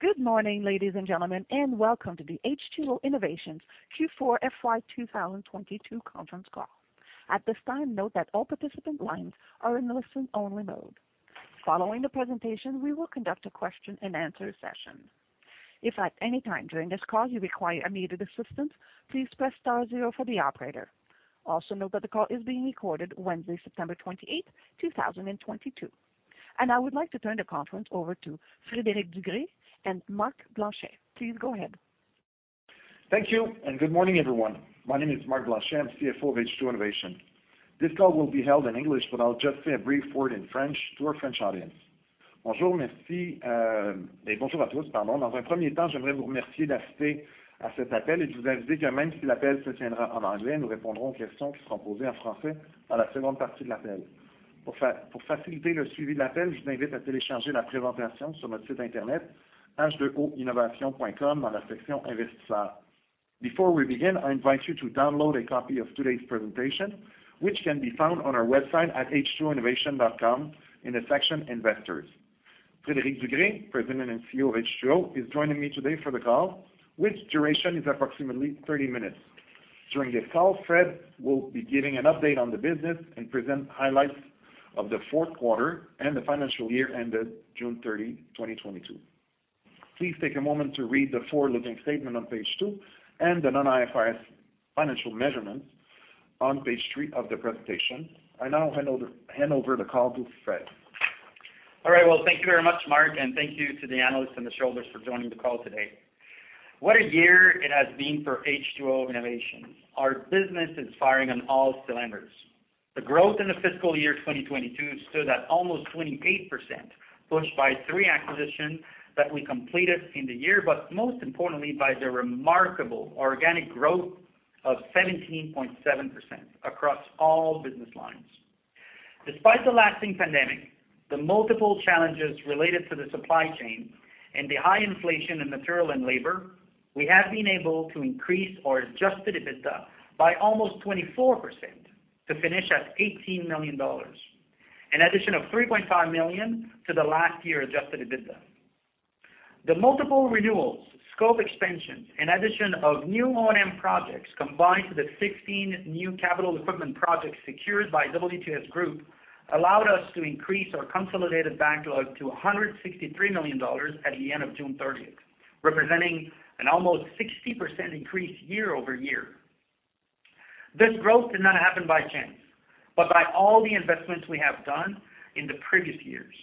Good morning, ladies and gentlemen, and welcome to the H2O Innovation Q4 FY 2022 conference call. At this time, note that all participant lines are in listen-only mode. Following the presentation, we will conduct a question-and-answer session. If at any time during this call you require immediate assistance, please press star zero for the operator. Also note that the call is being recorded Wednesday, September 28th, 2022. I would like to turn the conference over to Frédéric Dugré and Marc Blanchet. Please go ahead. Thank you and good morning, everyone. My name is Marc Blanchet, I'm CFO of H2O Innovation. This call will be held in English, but I'll just say a brief word in French to our French audience. Before we begin, I invite you to download a copy of today's presentation, which can be found on our website at h2oinnovation.com in the section Investors. Frédéric Dugré, President and CEO of H2O, is joining me today for the call, which duration is approximately 30 minutes. During this call, Fred will be giving an update on the business and present highlights of the fourth quarter and the financial year ended June 30, 2022. Please take a moment to read the forward-looking statement on page two and the non-IFRS financial measurements on page three of the presentation. I now hand over the call to Fred. All right. Well, thank you very much, Marc, and thank you to the analysts and the shareholders for joining the call today. What a year it has been for H2O Innovation. Our business is firing on all cylinders. The growth in the fiscal year 2022 stood at almost 28%, pushed by three acquisitions that we completed in the year, but most importantly by the remarkable organic growth of 17.7% across all business lines. Despite the lasting pandemic, the multiple challenges related to the supply chain and the high inflation in material and labor, we have been able to increase our adjusted EBITDA by almost 24% to finish at 18 million dollars, an addition of 3.5 million to the last year adjusted EBITDA. The multiple renewals, scope expansions, and addition of new O&M projects, combined with the 16 new capital equipment projects secured by WTS group, allowed us to increase our consolidated backlog to 163 million dollars at the end of June 30th, representing an almost 60% increase year-over-year. This growth did not happen by chance, but by all the investments we have done in the previous years.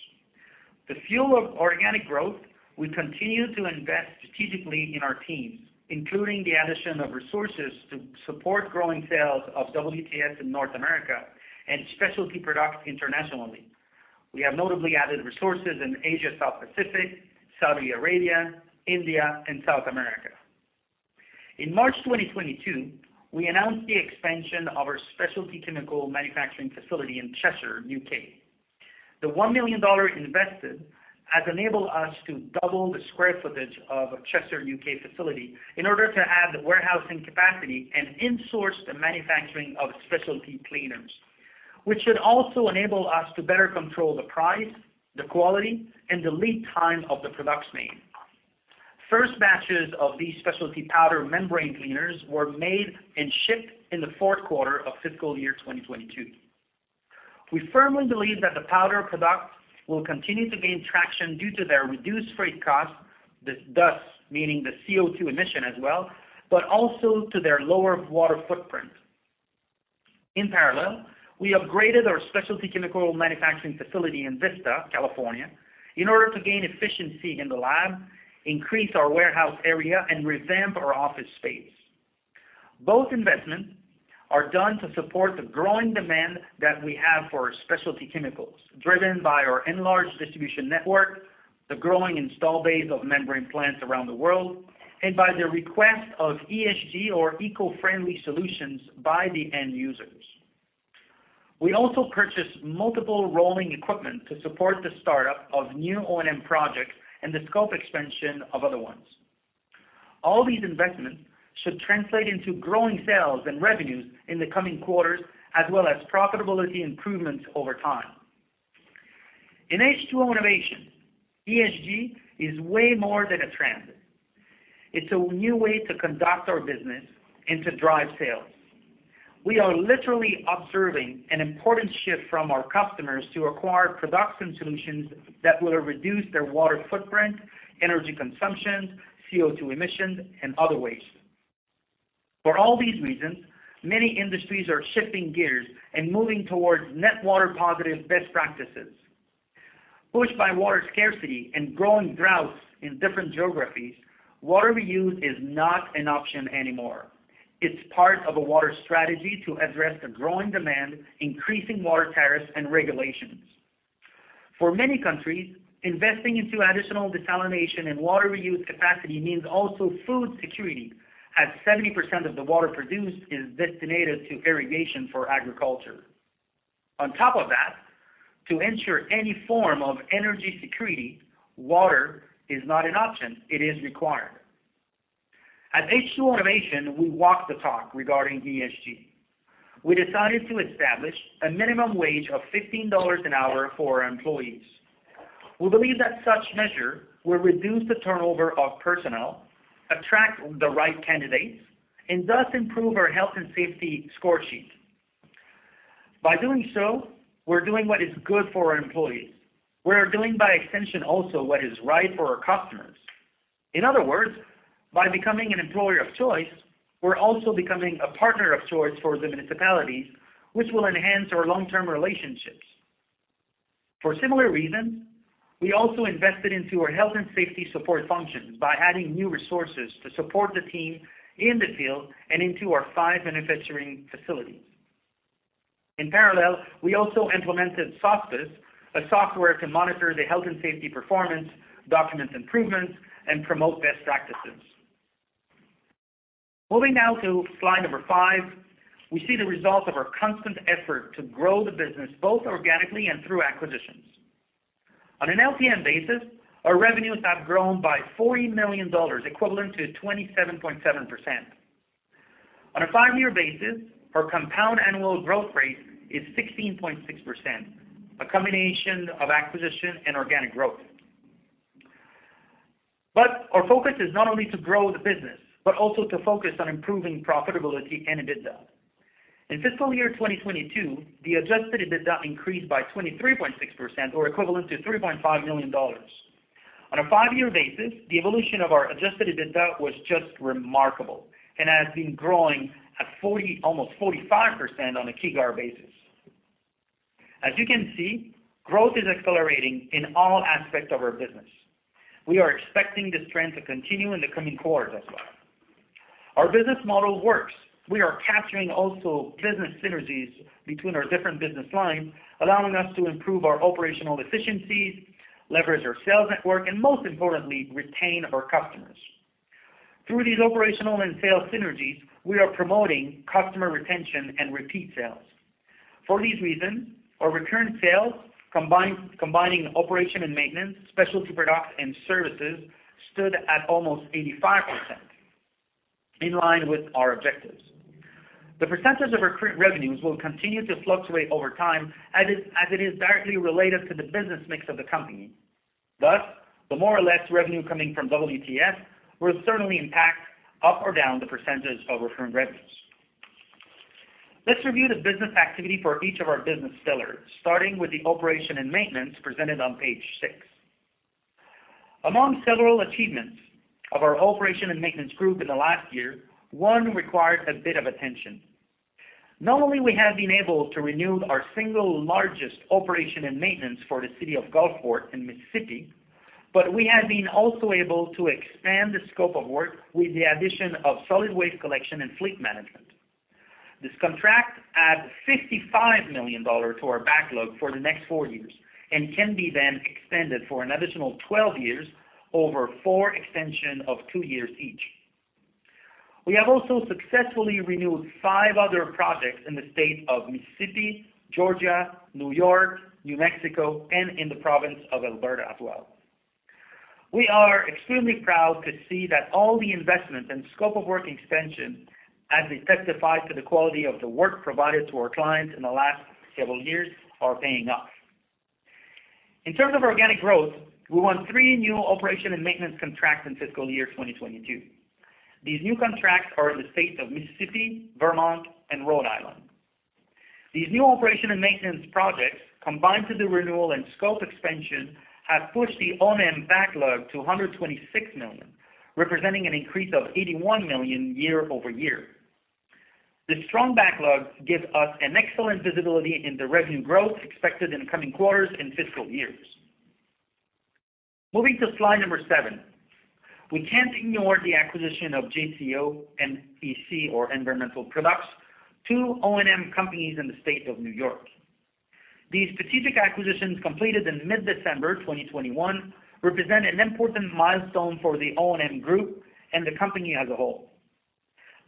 The fuel of organic growth, we continue to invest strategically in our teams, including the addition of resources to support growing sales of WTS in North America and specialty products internationally. We have notably added resources in Asia, South Pacific, Saudi Arabia, India and South America. In March 2022, we announced the expansion of our specialty chemical manufacturing facility in Chester, U.K.. The $1 million invested has enabled us to double the square footage of the Chester, UK facility in order to add the warehousing capacity and insource the manufacturing of specialty cleaners, which should also enable us to better control the price, the quality, and the lead time of the products made. First batches of these specialty powder membrane cleaners were made and shipped in the fourth quarter of fiscal year 2022. We firmly believe that the powder products will continue to gain traction due to their reduced freight costs, thus meaning the CO2 emissions as well, but also to their lower water footprint. In parallel, we upgraded our specialty chemical manufacturing facility in Vista, California, in order to gain efficiency in the lab, increase our warehouse area, and revamp our office space. Both investments are done to support the growing demand that we have for our specialty chemicals, driven by our enlarged distribution network, the growing installed base of membrane plants around the world, and by the request of ESG or eco-friendly solutions by the end users. We also purchased multiple rolling equipment to support the startup of new O&M projects and the scope expansion of other ones. All these investments should translate into growing sales and revenues in the coming quarters, as well as profitability improvements over time. In H2O Innovation, ESG is way more than a trend. It's a new way to conduct our business and to drive sales. We are literally observing an important shift from our customers to acquire production solutions that will reduce their water footprint, energy consumption, CO2 emissions and other waste. For all these reasons, many industries are shifting gears and moving towards net water positive best practices. Pushed by water scarcity and growing droughts in different geographies, water reuse is not an option anymore. It's part of a water strategy to address the growing demand, increasing water tariffs and regulations. For many countries, investing into additional desalination and water reuse capacity means also food security, as 70% of the water produced is designated to irrigation for agriculture. On top of that, to ensure any form of energy security, water is not an option, it is required. At H2O Innovation, we walk the talk regarding ESG. We decided to establish a minimum wage of $15 an hour for our employees. We believe that such measure will reduce the turnover of personnel, attract the right candidates, and thus improve our health and safety score sheet. By doing so, we're doing what is good for our employees. We are doing by extension also what is right for our customers. In other words, by becoming an employer of choice, we're also becoming a partner of choice for the municipalities, which will enhance our long-term relationships. For similar reasons, we also invested into our health and safety support functions by adding new resources to support the team in the field and into our five manufacturing facilities. In parallel, we also implemented Sofvie, a software to monitor the health and safety performance, document improvements, and promote best practices. Moving now to slide number five, we see the results of our constant effort to grow the business both organically and through acquisitions. On an LTM basis, our revenues have grown by 40 million dollars, equivalent to 27.7%. On a five-year basis, our compound annual growth rate is 16.6%, a combination of acquisition and organic growth. Our focus is not only to grow the business, but also to focus on improving profitability and EBITDA. In fiscal year 2022, the adjusted EBITDA increased by 23.6% or equivalent to 3.5 million dollars. On a five-year basis, the evolution of our adjusted EBITDA was just remarkable and has been growing at 40%-almost 45% on a CAGR basis. As you can see, growth is accelerating in all aspects of our business. We are expecting this trend to continue in the coming quarters as well. Our business model works. We are capturing also business synergies between our different business lines, allowing us to improve our operational efficiencies, leverage our sales network, and most importantly, retain our customers. Through these operational and sales synergies, we are promoting customer retention and repeat sales. For these reasons, our return sales, combining operation and maintenance, Specialty Products and services stood at almost 85% in line with our objectives. The percentage of our current revenues will continue to fluctuate over time as it is directly related to the business mix of the company. Thus, the more or less revenue coming from WTS will certainly impact up or down the percentage of return revenues. Let's review the business activity for each of our business pillars, starting with the operation and maintenance presented on page six. Among several achievements of our operation and maintenance group in the last year, one required a bit of attention. Not only we have been able to renew our single largest operation and maintenance for the city of Gulfport in Mississippi, but we have been also able to expand the scope of work with the addition of solid waste collection and fleet management. This contract adds $55 million to our backlog for the next four years and can be then extended for an additional 12 years over four extensions of two years each. We have also successfully renewed five other projects in the state of Mississippi, Georgia, New York, New Mexico, and in the province of Alberta as well. We are extremely proud to see that all the investments and scope of work expansion, as they testify to the quality of the work provided to our clients in the last several years, are paying off. In terms of organic growth, we won three new operation and maintenance contracts in fiscal year 2022. These new contracts are in the states of Mississippi, Vermont, and Rhode Island. These new operation and maintenance projects, combined with the renewal and scope expansion, have pushed the O&M backlog to 126 million, representing an increase of 81 million year-over-year. The strong backlog gives us an excellent visibility in the revenue growth expected in coming quarters and fiscal years. Moving to slide seven. We can't ignore the acquisition of JCO and EC, or Environmental Consultants, two O&M companies in the state of New York. These strategic acquisitions, completed in mid-December 2021, represent an important milestone for the O&M group and the company as a whole.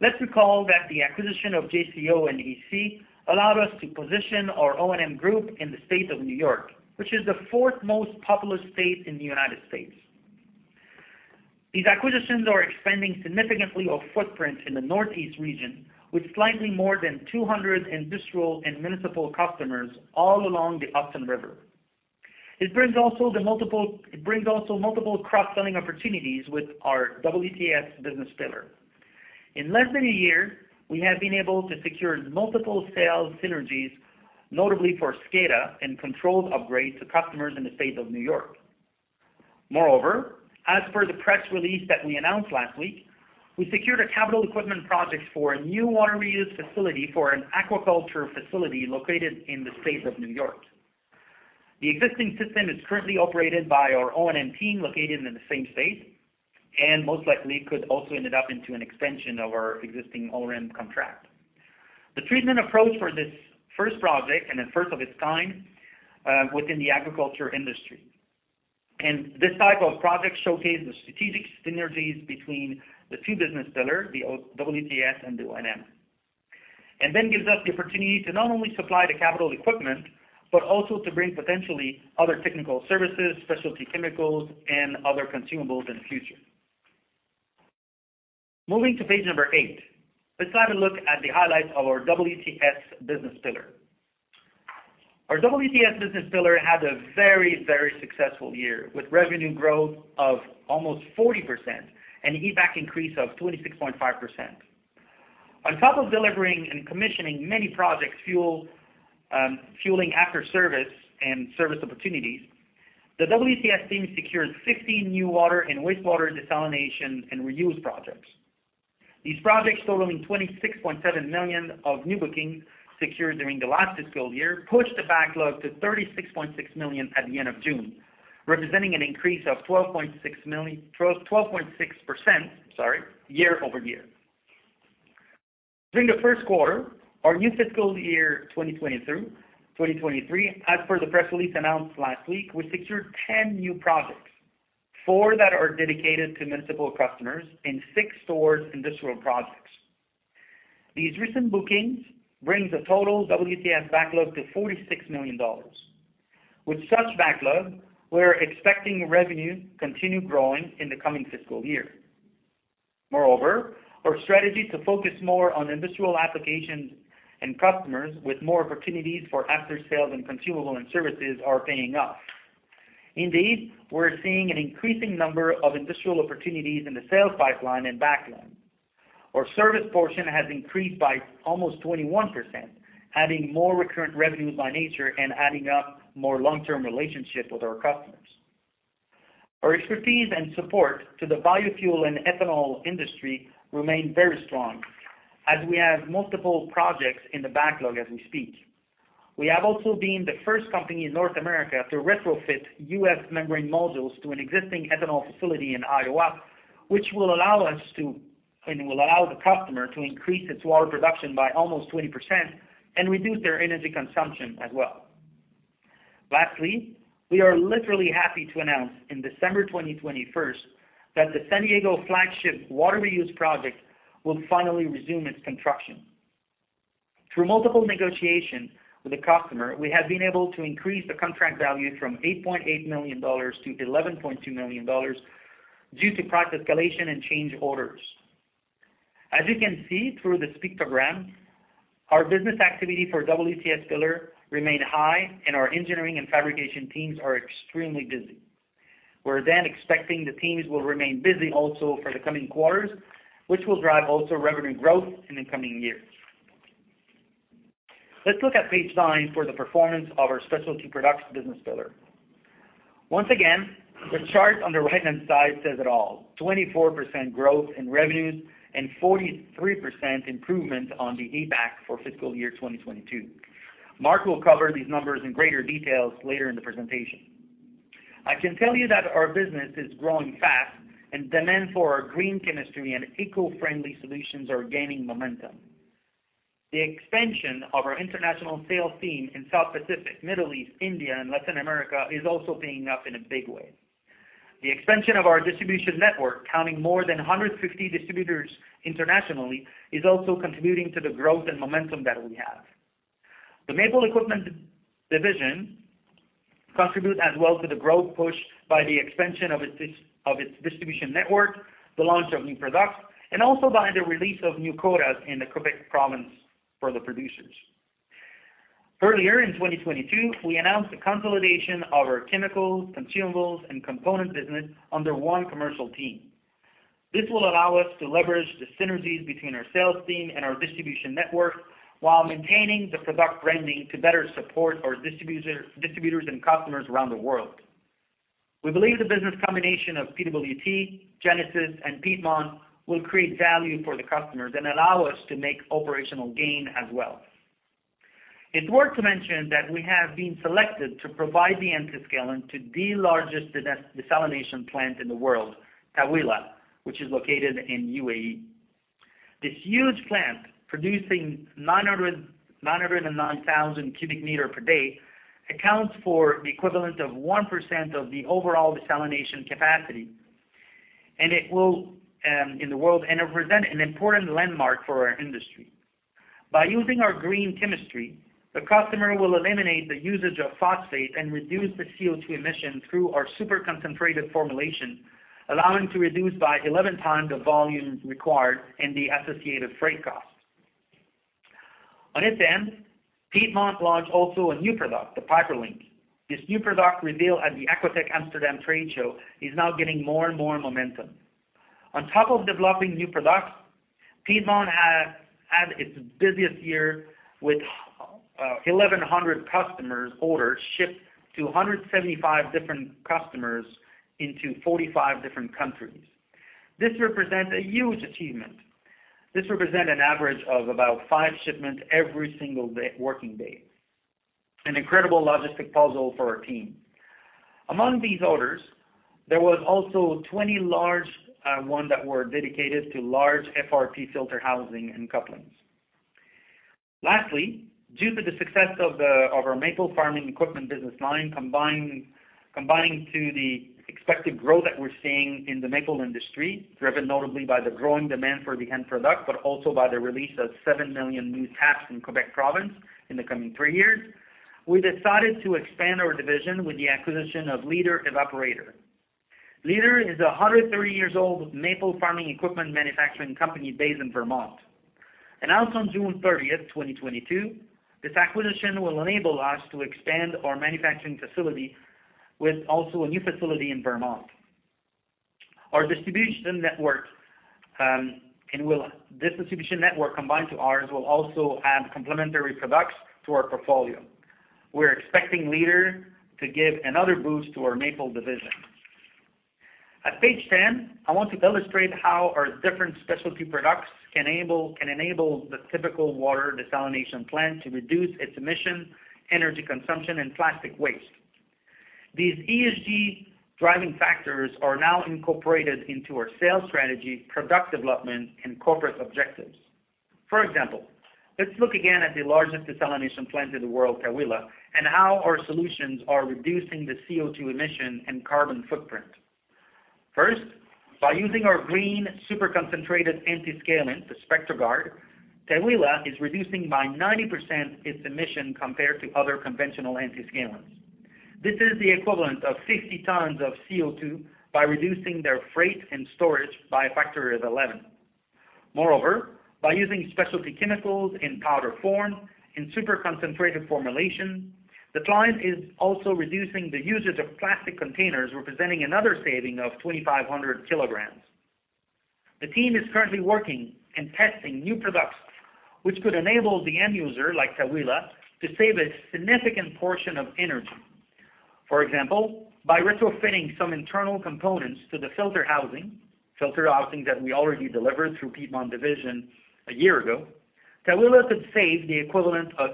Let's recall that the acquisition of JCO and EC allowed us to position our O&M group in the state of New York, which is the fourth most populous state in the United States. These acquisitions are expanding significantly our footprint in the Northeast region with slightly more than 200 industrial and municipal customers all along the Hudson River. It brings also multiple cross-selling opportunities with our WTS business pillar. In less than a year, we have been able to secure multiple sales synergies, notably for SCADA and controls upgrades to customers in the state of New York. Moreover, as per the press release that we announced last week, we secured a capital equipment project for a new water reuse facility for an aquaculture facility located in the state of New York. The existing system is currently operated by our O&M team located in the same state, and most likely could also end up into an extension of our existing O&M contract. The treatment approach for this first project and the first of its kind within the aquaculture industry. This type of project showcases the strategic synergies between the two business pillars, the WTS and the O&M, and gives us the opportunity to not only supply the capital equipment, but also to bring potentially other technical services, specialty chemicals, and other consumables in the future. Moving to page 8, let's have a look at the highlights of our WTS business pillar. Our WTS business pillar had a very, very successful year, with revenue growth of almost 40% and EBITDA increase of 26.5%. On top of delivering and commissioning many projects fueling after service and service opportunities, the WTS team secured 16 new water and wastewater desalination and reuse projects. These projects totaling 26.7 million of new bookings secured during the last fiscal year, pushed the backlog to 36.6 million at the end of June, representing an increase of 12.6% year over year. During the first quarter, our new fiscal year 2022/2023, as per the press release announced last week, we secured 10 new projects. Four that are dedicated to municipal customers and six towards industrial projects. These recent bookings brings the total WTS backlog to 46 million dollars. With such backlog, we're expecting revenue continue growing in the coming fiscal year. Moreover, our strategy to focus more on industrial applications and customers with more opportunities for after-sales and consumable and services are paying off. Indeed, we're seeing an increasing number of industrial opportunities in the sales pipeline and backlog. Our service portion has increased by almost 21%, adding more recurrent revenues by nature and adding up more long-term relationships with our customers. Our expertise and support to the biofuel and ethanol industry remain very strong as we have multiple projects in the backlog as we speak. We have also been the first company in North America to retrofit UF membrane modules to an existing ethanol facility in Iowa, which will allow the customer to increase its water production by almost 20% and reduce their energy consumption as well. Lastly, we are literally happy to announce in December 2021 that the San Diego flagship water reuse project will finally resume its construction. Through multiple negotiations with the customer, we have been able to increase the contract value from $8.8 million to $11.2 million due to price escalation and change orders. As you can see through this pictogram, our business activity for WTS pillar remain high, and our engineering and fabrication teams are extremely busy. We're then expecting the teams will remain busy also for the coming quarters, which will drive also revenue growth in the coming years. Let's look at page nine for the performance of our Specialty Products business pillar. Once again, the chart on the right-hand side says it all. 24% growth in revenues and 43% improvement on the EBITDA for fiscal year 2022. Marc will cover these numbers in greater details later in the presentation. I can tell you that our business is growing fast, and demand for our green chemistry and eco-friendly solutions are gaining momentum. The expansion of our international sales team in South Pacific, Middle East, India, and Latin America is also paying off in a big way. The expansion of our distribution network, counting more than 150 distributors internationally, is also contributing to the growth and momentum that we have. The Maple Equipment division contribute as well to the growth push by the expansion of its of its distribution network, the launch of new products, and also by the release of new quotas in the Quebec province for the producers. Earlier in 2022, we announced the consolidation of our chemicals, consumables, and components business under one commercial team. This will allow us to leverage the synergies between our sales team and our distribution network while maintaining the product branding to better support our distributors and customers around the world. We believe the business combination of PWT, Genesys, and Piedmont will create value for the customers and allow us to make operational gain as well. It's worth to mention that we have been selected to provide the antiscalant to the largest desalination plant in the world, Taweelah, which is located in UAE. This huge plant, producing 909,000 cubic meter per day, accounts for the equivalent of 1% of the overall desalination capacity in the world and represent an important landmark for our industry. By using our green chemistry, the customer will eliminate the usage of phosphate and reduce the CO2 emission through our super concentrated formulation, allowing to reduce by 11x the volume required and the associated freight cost. On its end, Piedmont launched also a new product, the PiPerLink. This new product revealed at the Aquatech Amsterdam trade show is now getting more and more momentum. On top of developing new products, Piedmont had its busiest year with 1,100 customer orders shipped to 175 different customers into 45 different countries. This represents a huge achievement. This represents an average of about five shipments every single day, working day. An incredible logistic puzzle for our team. Among these orders, there was also 20 large ones that were dedicated to large FRP filter housing and couplings. Lastly, due to the success of our Maple farming equipment business line, combining to the expected growth that we're seeing in the maple industry, driven notably by the growing demand for the end product, but also by the release of 7 million new taps in Quebec province in the coming three years, we decided to expand our division with the acquisition of Leader Evaporator. Leader is 103 years old maple farming equipment manufacturing company based in Vermont. Announced on June 30, 2022, this acquisition will enable us to expand our manufacturing facility with also a new facility in Vermont. Our distribution network, this distribution network combined to ours, will also add complementary products to our portfolio. We're expecting Leader to give another boost to our Maple division. At page 10, I want to illustrate how our different Specialty Products can enable the typical water desalination plant to reduce its emission, energy consumption, and plastic waste. These ESG driving factors are now incorporated into our sales strategy, product development, and corporate objectives. For example, let's look again at the largest desalination plant in the world, Taweelah, and how our solutions are reducing the CO2 emission and carbon footprint. First, by using our green super concentrated antiscalant, the SpectraGuard, Taweelah is reducing by 90% its emission compared to other conventional antiscalants. This is the equivalent of 60 tons of CO2 by reducing their freight and storage by a factor of 11. Moreover, by using specialty chemicals in powder form, in super concentrated formulation, the client is also reducing the usage of plastic containers, representing another saving of 2,500 kilograms. The team is currently working and testing new products which could enable the end user, like Taweelah, to save a significant portion of energy. For example, by retrofitting some internal components to the filter housing that we already delivered through Piedmont division a year ago, Taweelah could save the equivalent of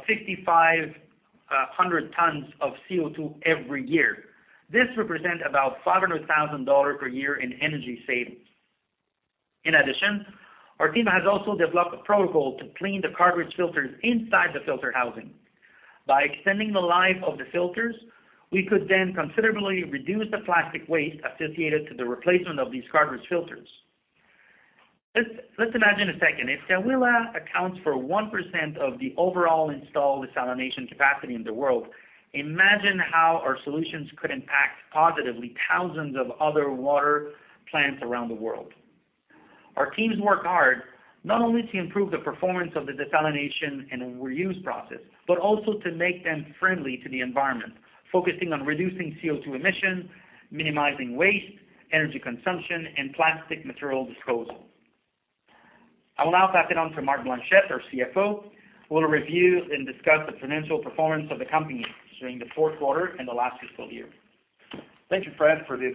6,500 tons of CO2 every year. This represent about $500,000 per year in energy savings. In addition, our team has also developed a protocol to clean the cartridge filters inside the filter housing. By extending the life of the filters, we could then considerably reduce the plastic waste associated to the replacement of these cartridge filters. Let's imagine a second. If Taweelah accounts for 1% of the overall installed desalination capacity in the world, imagine how our solutions could impact positively thousands of other water plants around the world. Our teams work hard not only to improve the performance of the desalination and reuse process, but also to make them friendly to the environment, focusing on reducing CO2 emissions, minimizing waste, energy consumption, and plastic material disposal. I will now pass it on to Marc Blanchet, our CFO, who will review and discuss the financial performance of the company during the fourth quarter and the last fiscal year. Thank you, Fred, for this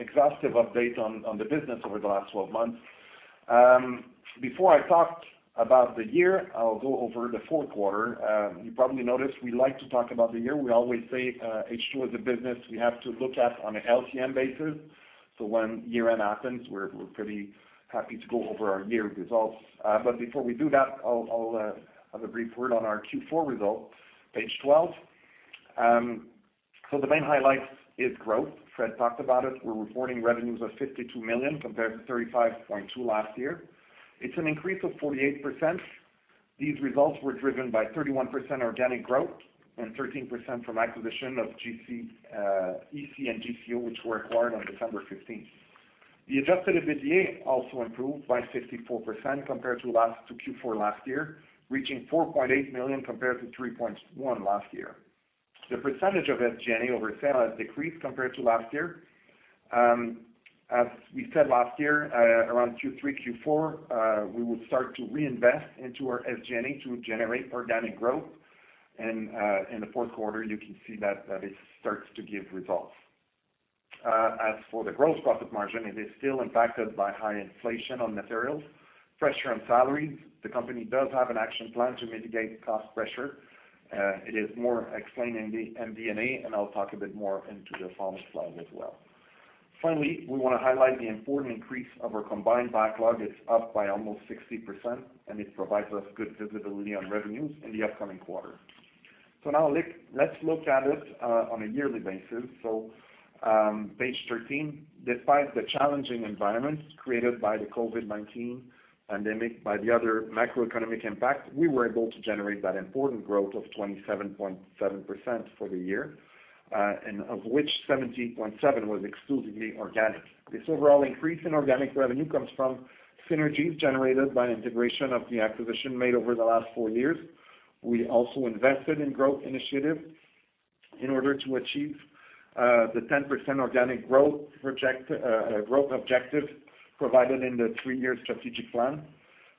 exhaustive update on the business over the last 12 months. Before I talk about the year, I'll go over the fourth quarter. You probably noticed we like to talk about the year. We always say H2O as a business, we have to look at on an LTM basis. When year-end happens, we're pretty happy to go over our year results. Before we do that, I'll have a brief word on our Q4 results. Page 12. The main highlight is growth. Fred talked about it. We're reporting revenues of 52 million compared to 35.2 million last year. It's an increase of 48%. These results were driven by 31% organic growth and 13% from acquisition of EC and JCO, which were acquired on December fifteenth. The adjusted EBITDA also improved by 54% compared to last to Q4 last year, reaching 4.8 million compared to 3.1 million last year. The percentage of SG&A over sales decreased compared to last year. As we said last year, around Q3, Q4, we would start to reinvest into our SG&A to generate organic growth. In the fourth quarter, you can see that it starts to give results. As for the gross profit margin, it is still impacted by high inflation on materials, pressure on salaries. The company does have an action plan to mitigate cost pressure. It is more explained in the MD&A, and I'll talk a bit more into the following slide as well. Finally, we wanna highlight the important increase of our combined backlog. It's up by almost 60%, and it provides us good visibility on revenues in the upcoming quarter. Now let's look at it on a yearly basis. Page 13. Despite the challenging environment created by the COVID-19 pandemic, by the other macroeconomic impact, we were able to generate that important growth of 27.7% for the year, and of which 17.7% was exclusively organic. This overall increase in organic revenue comes from synergies generated by integration of the acquisition made over the last four years. We also invested in growth initiatives in order to achieve the 10% organic growth objective provided in the three-year strategic plan.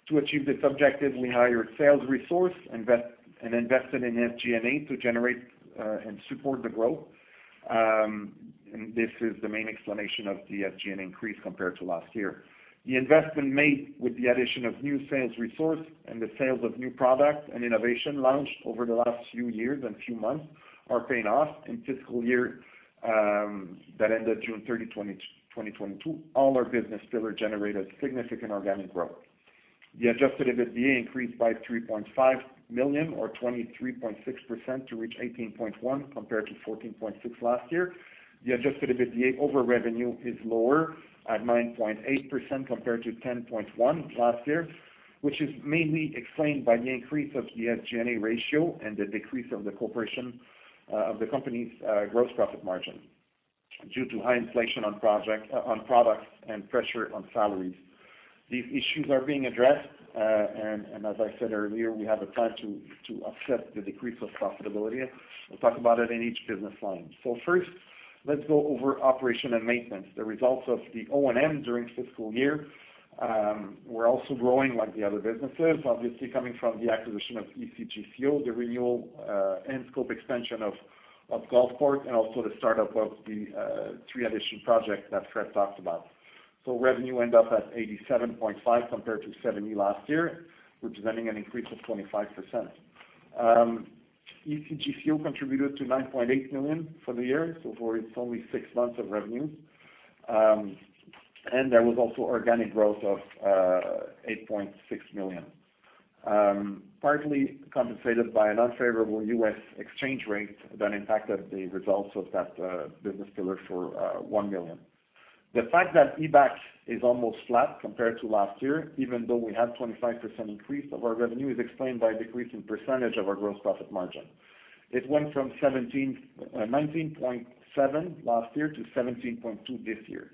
To achieve this objective, we hired sales resource and invested in SG&A to generate and support the growth. This is the main explanation of the SG&A increase compared to last year. The investment made with the addition of new sales resource and the sales of new products and innovation launched over the last few years and few months are paying off. In fiscal year that ended June 30, 2022, all our business still generated significant organic growth. The adjusted EBITDA increased by 3.5 million or 23.6% to reach 18.1 million compared to 14.6 million last year. The adjusted EBITDA over revenue is lower at 9.8% compared to 10.1% last year, which is mainly explained by the increase of the SG&A ratio and the decrease of the company's gross profit margin due to high inflation on products, and pressure on salaries. These issues are being addressed. As I said earlier, we have a plan to offset the decrease of profitability. We'll talk about it in each business line. First, let's go over operation and maintenance. The results of the O&M during fiscal year were also growing like the other businesses, obviously coming from the acquisition of EC and JCO, the renewal and scope extension of Gulfport, and also the startup of the three additional projects that Fred talked about. Revenue ended up at 87.5 compared to 70 last year, representing an increase of 25%. EC and JCO contributed to 9.8 million for the year, so for its only six months of revenue. There was also organic growth of 8.6 million, partly compensated by an unfavorable U.S. exchange rate that impacted the results of that business pillar for 1 million. The fact that EBITDA is almost flat compared to last year, even though we had 25% increase of our revenue, is explained by a decrease in percentage of our gross profit margin. It went from 19.7% last year to 17.2% this year.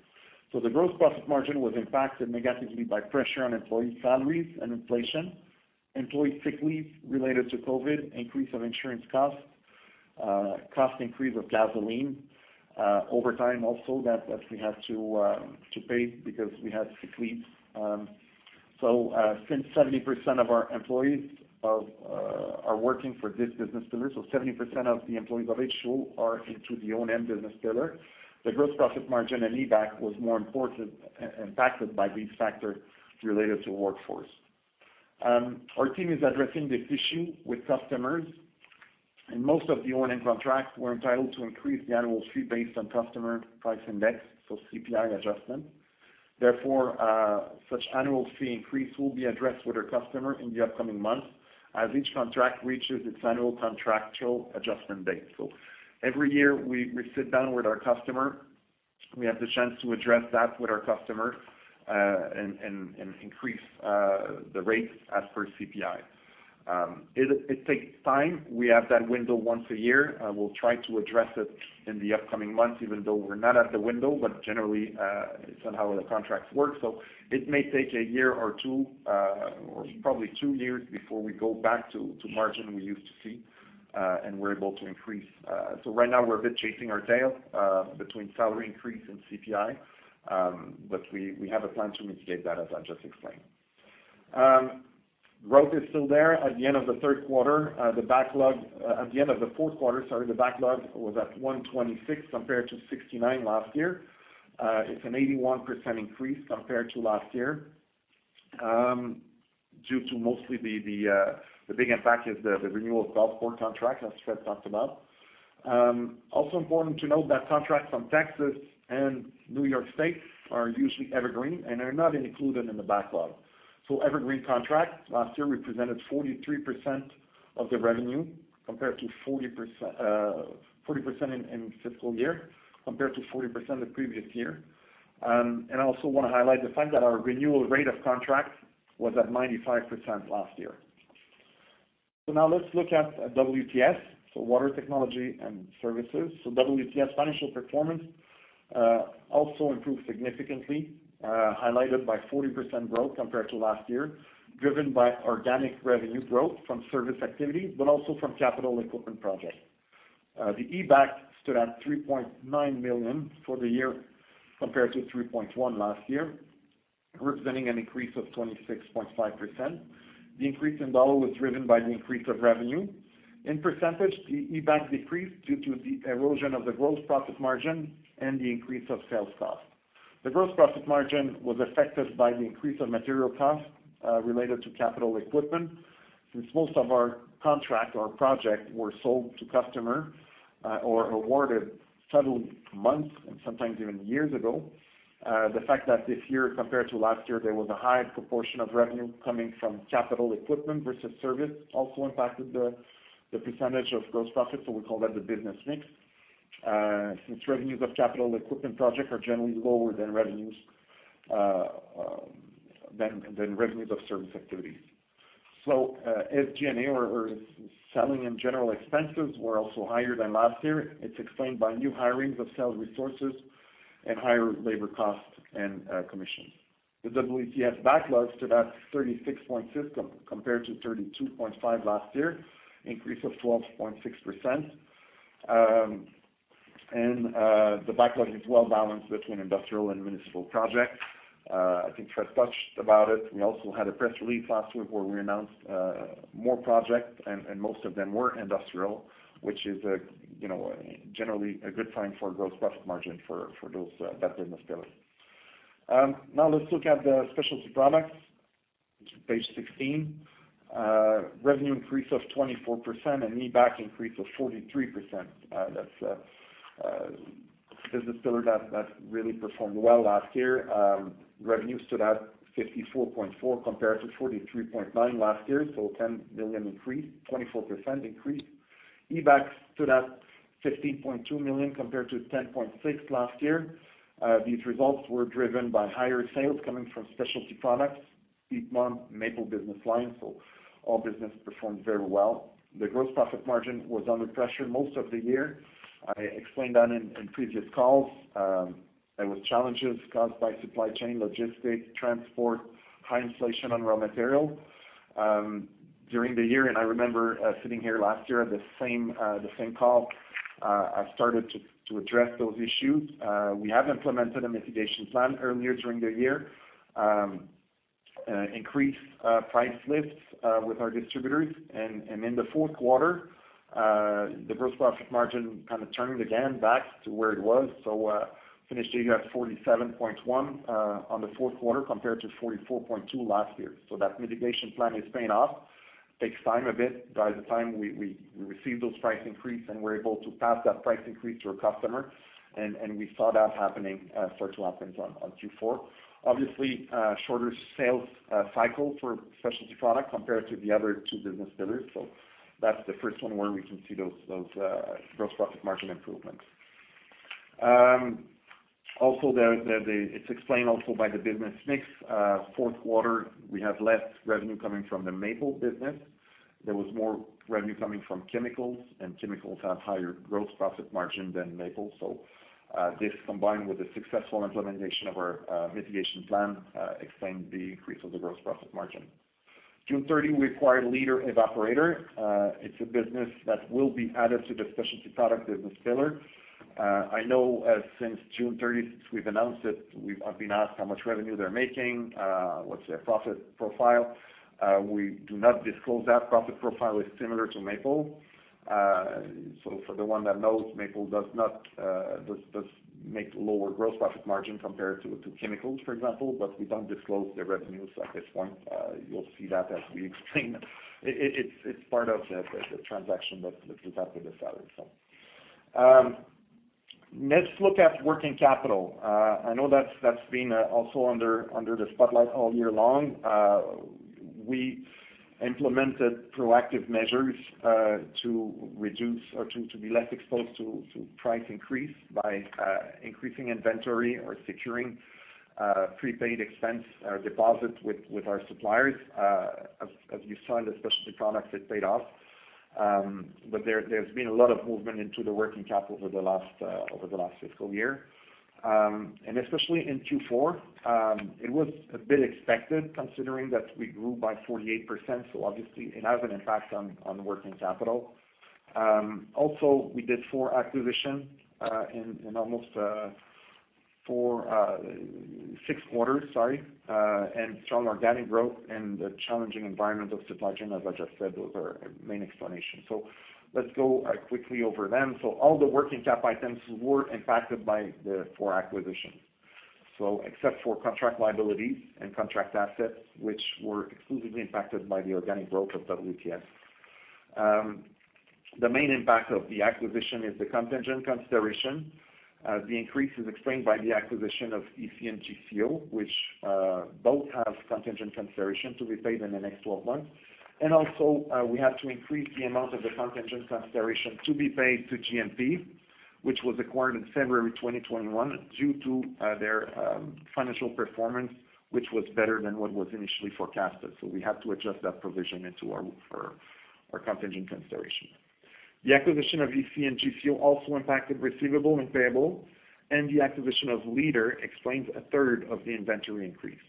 The gross profit margin was impacted negatively by pressure on employee salaries and inflation, employee sick leave related to COVID, increase of insurance costs, cost increase of gasoline, overtime also that we had to pay because we had sick leaves. Since 70% of the employees of H2O are into the O&M business pillar, the gross profit margin and EBITDA was more importantly impacted by these factors related to workforce. Our team is addressing this issue with customers, and most of the O&M contracts were entitled to increase the annual fee based on Consumer Price Index, so CPI adjustment. Therefore, such annual fee increase will be addressed with our customer in the upcoming months as each contract reaches its annual contractual adjustment date. Every year we sit down with our customer, we have the chance to address that with our customers, and increase the rates as per CPI. It takes time. We have that window once a year. We'll try to address it in the upcoming months, even though we're not at the window, but generally, it's not how the contracts work. It may take a year or two, or probably two years before we go back to margin we used to see, and we're able to increase. Right now we're a bit chasing our tail between salary increase and CPI. We have a plan to mitigate that, as I just explained. Growth is still there. At the end of the fourth quarter, the backlog was at 126 compared to 69 last year. It's an 81% increase compared to last year, due to mostly the big impact is the renewal of Gulfport contract, as Fred talked about. Also important to note that contracts from Texas and New York State are usually evergreen and are not included in the backlog. Evergreen contracts last year represented 43% of the revenue compared to 40% in fiscal year, compared to 40% the previous year. I also wanna highlight the fact that our renewal rate of contracts was at 95% last year. Now let's look at WTS, so Water Technologies & Services. WTS financial performance also improved significantly, highlighted by 40% growth compared to last year, driven by organic revenue growth from service activity, but also from capital equipment projects. The EBITDA stood at 3.9 million for the year compared to 3.1 million last year, representing an increase of 26.5%. The increase in dollar was driven by the increase of revenue. In percentage, the EBITDA decreased due to the erosion of the gross profit margin and the increase of sales costs. The gross profit margin was affected by the increase of material costs, related to capital equipment. Since most of our contract or project were sold to customer, or awarded several months and sometimes even years ago, the fact that this year, compared to last year, there was a higher proportion of revenue coming from capital equipment versus service also impacted the percentage of gross profit, so we call that the business mix, since revenues of capital equipment project are generally lower than revenues of service activities. SG&A or selling and general expenses were also higher than last year. It's explained by new hirings of sales resources and higher labor costs and commission. The WTS backlogs stood at 36.6 compared to 32.5 last year, increase of 12.6%. The backlog is well balanced between industrial and municipal projects. I think Fred touched about it. We also had a press release last week where we announced more projects and most of them were industrial, which is you know, generally a good sign for gross profit margin for that business pillar. Now let's look at the Specialty Products. It's page 16. Revenue increase of 24% and EBITDA increase of 43%. This is a pillar that really performed well last year. Revenue stood at 54.4 million compared to 43.9 million last year, so 10 million increase, 24% increase. EBAC stood at 15.2 million compared to 10.6 million last year. These results were driven by higher sales coming from Specialty Products, Genesys, Maple business lines. All business performed very well. The gross profit margin was under pressure most of the year. I explained that in previous calls. There was challenges caused by supply chain logistics, transport, high inflation on raw material. During the year, and I remember sitting here last year at the same call, I started to address those issues. We have implemented a mitigation plan earlier during the year, increase price lifts with our distributors. In the fourth quarter, the gross profit margin kind of turned again back to where it was. Finished the year at 47.1% on the fourth quarter compared to 44.2% last year. That mitigation plan is paying off, takes time a bit. By the time we receive those price increase, and we're able to pass that price increase to our customer, and we saw that start to happen on Q4. Obviously, shorter sales cycle for Specialty Products compared to the other two business pillars. That's the first one where we can see those gross profit margin improvements. It's explained also by the business mix. Fourth quarter, we had less revenue coming from the maple business. There was more revenue coming from chemicals, and chemicals have higher gross profit margin than maple. This combined with the successful implementation of our mitigation plan, explained the increase of the gross profit margin. June 30, we acquired Leader Evaporator. It's a business that will be added to the Specialty Product business pillar. I know since June 30th, we've announced it. I've been asked how much revenue they're making, what's their profit profile. We do not disclose that. Profit profile is similar to Maple. For the one that knows, Maple does not make lower gross profit margin compared to chemicals, for example, but we don't disclose the revenues at this point. You'll see that as we explain it. It's part of the transaction that we've done for the seller, so. Let's look at working capital. I know that's been also under the spotlight all year long. We implemented proactive measures to reduce or to be less exposed to price increase by increasing inventory or securing prepaid expense deposits with our suppliers. As you saw in the Specialty Products, it paid off. There's been a lot of movement into the working capital over the last fiscal year. Especially in Q4, it was a bit expected considering that we grew by 48%, so obviously it has an impact on working capital. Also we did four acquisitions in almost six quarters, sorry, and strong organic growth in the challenging environment of supply chain. As I just said, those are main explanations. Let's go quickly over them. All the working cap items were impacted by the four acquisitions. Except for contract liabilities and contract assets, which were exclusively impacted by the organic growth of WTS. The main impact of the acquisition is the contingent consideration. The increase is explained by the acquisition of EC and JCO, which both have contingent consideration to be paid in the next 12 months. Also, we have to increase the amount of the contingent consideration to be paid to GMP, which was acquired in February 2021, due to their financial performance, which was better than what was initially forecasted. We have to adjust that provision into our contingent consideration. The acquisition of EC and JCO also impacted receivables and payables, and the acquisition of Leader Evaporator explains a third of the inventory increase.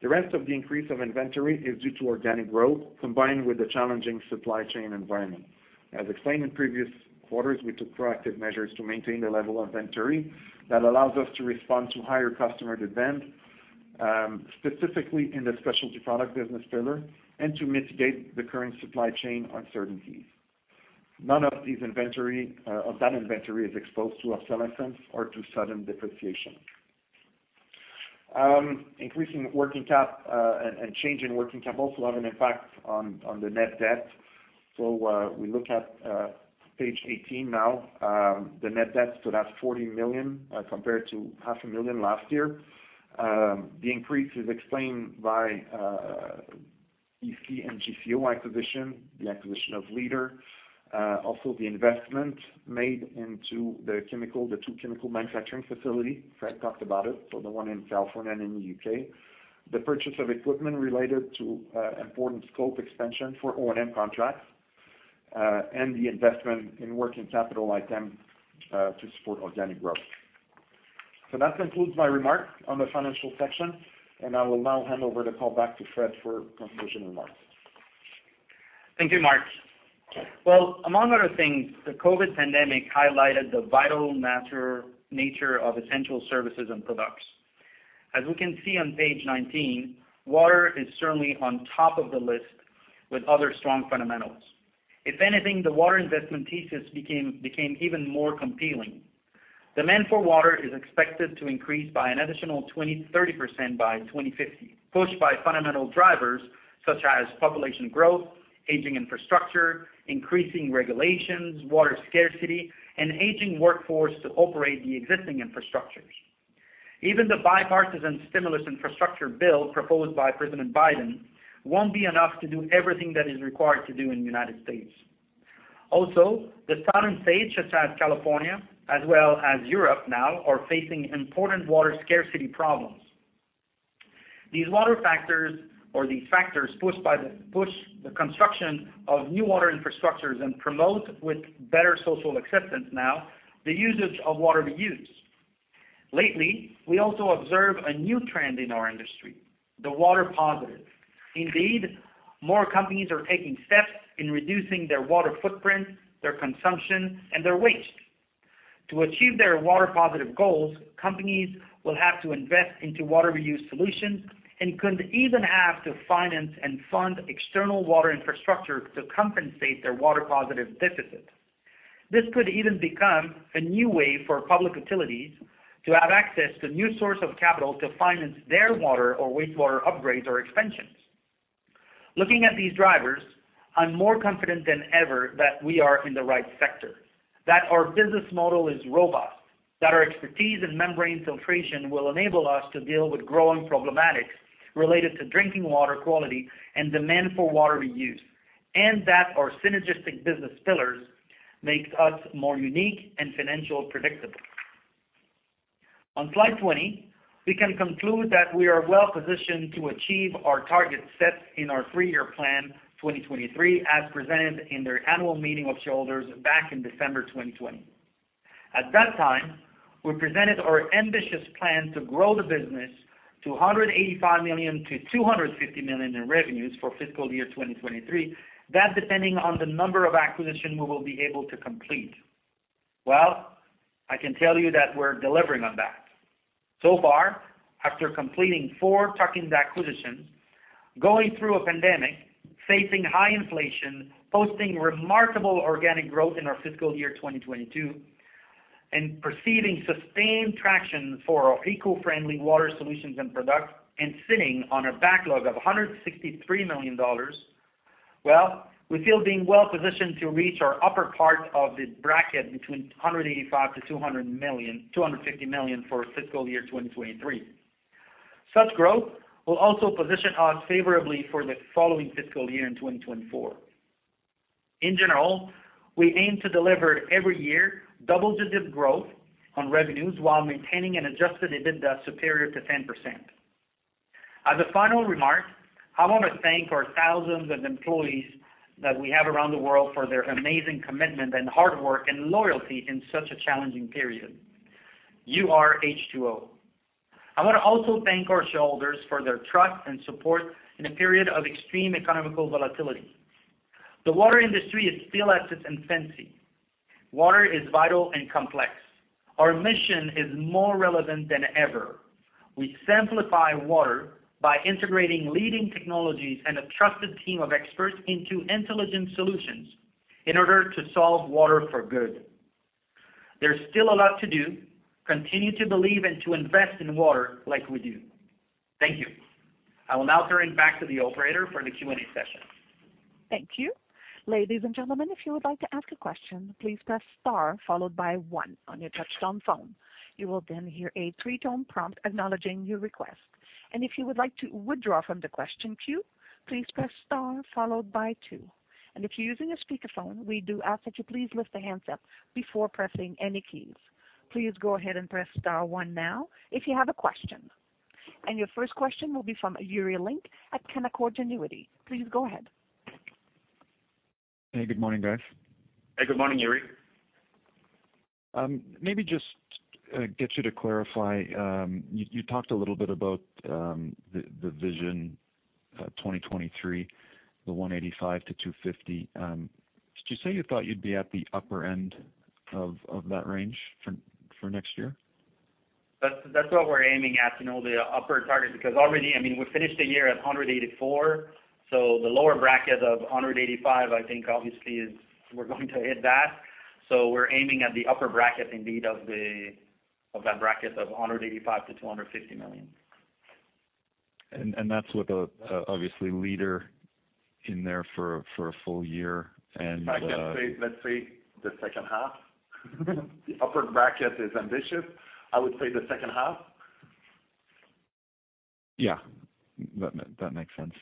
The rest of the increase in inventory is due to organic growth, combined with the challenging supply chain environment. As explained in previous quarters, we took proactive measures to maintain the level of inventory that allows us to respond to higher customer demand, specifically in the Specialty Product business pillar, and to mitigate the current supply chain uncertainties. None of that inventory is exposed to obsolescence or to sudden depreciation. Increasing working cap and change in working cap also have an impact on the net debt. We look at page 18 now. The net debt stood at 40 million compared to CAD half a million last year. The increase is explained by EC and JCO acquisition, the acquisition of Leader Evaporator, also the investment made into the chemical, the two chemical manufacturing facility. Fred talked about it, so the one in California and in the U.K.. The purchase of equipment related to important scope expansion for O&M contracts, and the investment in working capital item to support organic growth. That concludes my remarks on the financial section, and I will now hand over the call back to Fred for conclusion remarks. Thank you, Marc. Well, among other things, the COVID pandemic highlighted the vital nature of essential services and products. As we can see on page 19, water is certainly on top of the list with other strong fundamentals. If anything, the water investment thesis became even more compelling. Demand for water is expected to increase by an additional 20%-30% by 2050, pushed by fundamental drivers such as population growth, aging infrastructure, increasing regulations, water scarcity, and aging workforce to operate the existing infrastructures. Even the bipartisan stimulus infrastructure bill proposed by President Biden won't be enough to do everything that is required to do in the United States. Also, the southern states such as California as well as Europe now are facing important water scarcity problems. These water factors or these factors pushed the construction of new water infrastructures and promote with better social acceptance now the usage of water reuse. Lately, we also observe a new trend in our industry, the water positive. Indeed, more companies are taking steps in reducing their water footprint, their consumption, and their waste. To achieve their water positive goals, companies will have to invest into water reuse solutions and could even have to finance and fund external water infrastructure to compensate their water positive deficit. This could even become a new way for public utilities to have access to new source of capital to finance their water or wastewater upgrades or expansions. Looking at these drivers, I'm more confident than ever that we are in the right sector, that our business model is robust, that our expertise in membrane filtration will enable us to deal with growing problematics related to drinking water quality and demand for water reuse, and that our synergistic business pillars makes us more unique and financial predictable. On slide 20, we can conclude that we are well-positioned to achieve our targets set in our three-year plan 2023 as presented in their annual meeting of shareholders back in December 2020. At that time, we presented our ambitious plan to grow the business to 185 million-250 million in revenues for fiscal year 2023, that depending on the number of acquisition we will be able to complete. Well, I can tell you that we're delivering on that. So far, after completing four tuck-in acquisitions, going through a pandemic, facing high inflation, posting remarkable organic growth in our fiscal year 2022, and proceeding sustained traction for our eco-friendly water solutions and products, and sitting on a backlog of 163 million dollars, well, we feel being well-positioned to reach our upper part of the bracket between 185 million and 250 million for fiscal year 2023. Such growth will also position us favorably for the following fiscal year in 2024. In general, we aim to deliver every year double-digit growth on revenues while maintaining an adjusted EBITDA superior to 10%. As a final remark, I wanna thank our thousands of employees that we have around the world for their amazing commitment and hard work and loyalty in such a challenging period. You are H2O. I wanna also thank our shareholders for their trust and support in a period of extreme economic volatility. The water industry is still at its infancy. Water is vital and complex. Our mission is more relevant than ever. We simplify water by integrating leading technologies and a trusted team of experts into intelligent solutions in order to solve water for good. There's still a lot to do. Continue to believe and to invest in water like we do. Thank you. I will now turn back to the operator for the Q&A session. Thank you. Ladies and gentlemen, if you would like to ask a question, please press star followed by one on your touchtone phone. You will then hear a three-tone prompt acknowledging your request. If you would like to withdraw from the question queue, please press star followed by two. If you're using a speakerphone, we do ask that you please lift the handset before pressing any keys. Please go ahead and press star one now if you have a question. Your first question will be from Yuri Lynk at Canaccord Genuity. Please go ahead. Hey, good morning, guys. Hey, good morning, Yuri. Maybe just get you to clarify. You talked a little bit about the vision 2023, the 185 million-250 million. Did you say you thought you'd be at the upper end of that range for next year? That's what we're aiming at, you know, the upper target, because already, I mean, we finished the year at 184, so the lower bracket of 185, I think obviously is we're going to hit that. We're aiming at the upper bracket indeed of the, of that bracket of 185 million-250 million. That's with a obviously Leader in there for a full year and I can say, let's say the second half. The upper bracket is ambitious. I would say the second half. Yeah. That makes sense.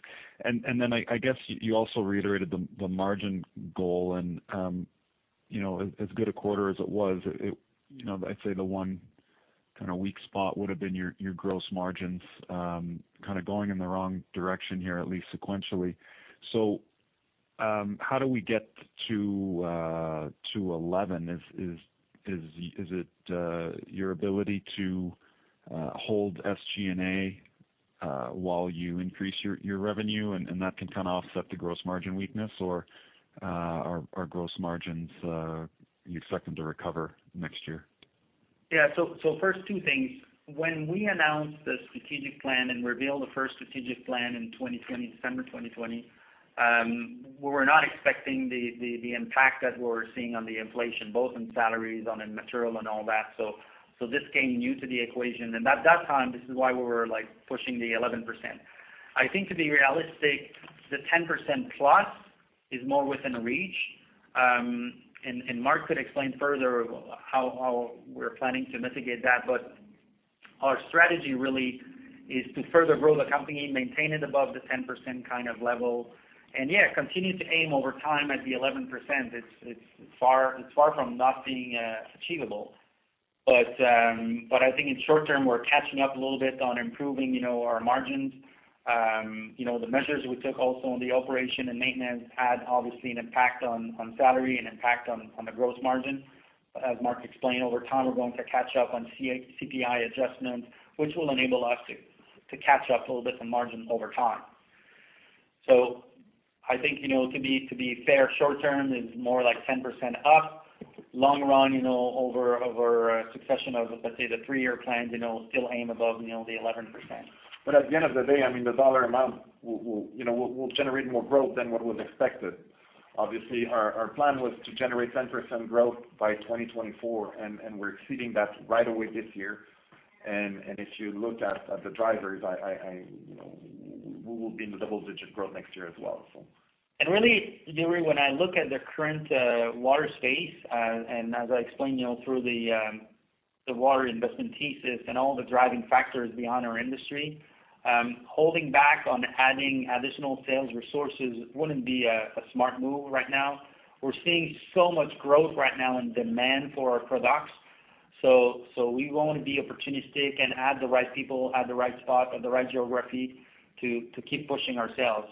Then I guess you also reiterated the margin goal and, you know, as good a quarter as it was, it you know, I'd say the one kinda weak spot would have been your gross margins kinda going in the wrong direction here, at least sequentially. How do we get to 11%? Is it your ability to hold SG&A while you increase your revenue and that can kinda offset the gross margin weakness or are gross margins you expect them to recover next year? Yeah. First two things. When we announced the strategic plan and revealed the first strategic plan in December 2020, we were not expecting the impact that we're seeing on the inflation, both in salaries and in material and all that. This came new to the equation. At that time, this is why we were like pushing the 11%. I think to be realistic, the 10%+ is more within reach, and Marc could explain further how we're planning to mitigate that. Our strategy really is to further grow the company, maintain it above the 10% kind of level, and yeah, continue to aim over time at the 11%. It's far from not being achievable. I think in short term, we're catching up a little bit on improving, you know, our margins. You know, the measures we took also on the operation and maintenance had obviously an impact on salary and impact on the gross margin. As Marc explained, over time, we're going to catch up on CAD-CPI adjustments, which will enable us to catch up a little bit on margin over time. I think, you know, to be fair, short term is more like 10% up. Long run, you know, over a succession of, let's say, the three-year plan, you know, still aim above, you know, the 11%. I mean, the dollar amount will generate more growth than what was expected. Obviously, our plan was to generate 10% growth by 2024, and we're exceeding that right away this year. If you look at the drivers, you know, we will be in the double-digit growth next year as well. Really, Yuri, when I look at the current water space, and as I explained, you know, through the water investment thesis and all the driving factors beyond our industry, holding back on adding additional sales resources wouldn't be a smart move right now. We're seeing so much growth right now and demand for our products. We wanna be opportunistic and add the right people at the right spot, at the right geography to keep pushing our sales.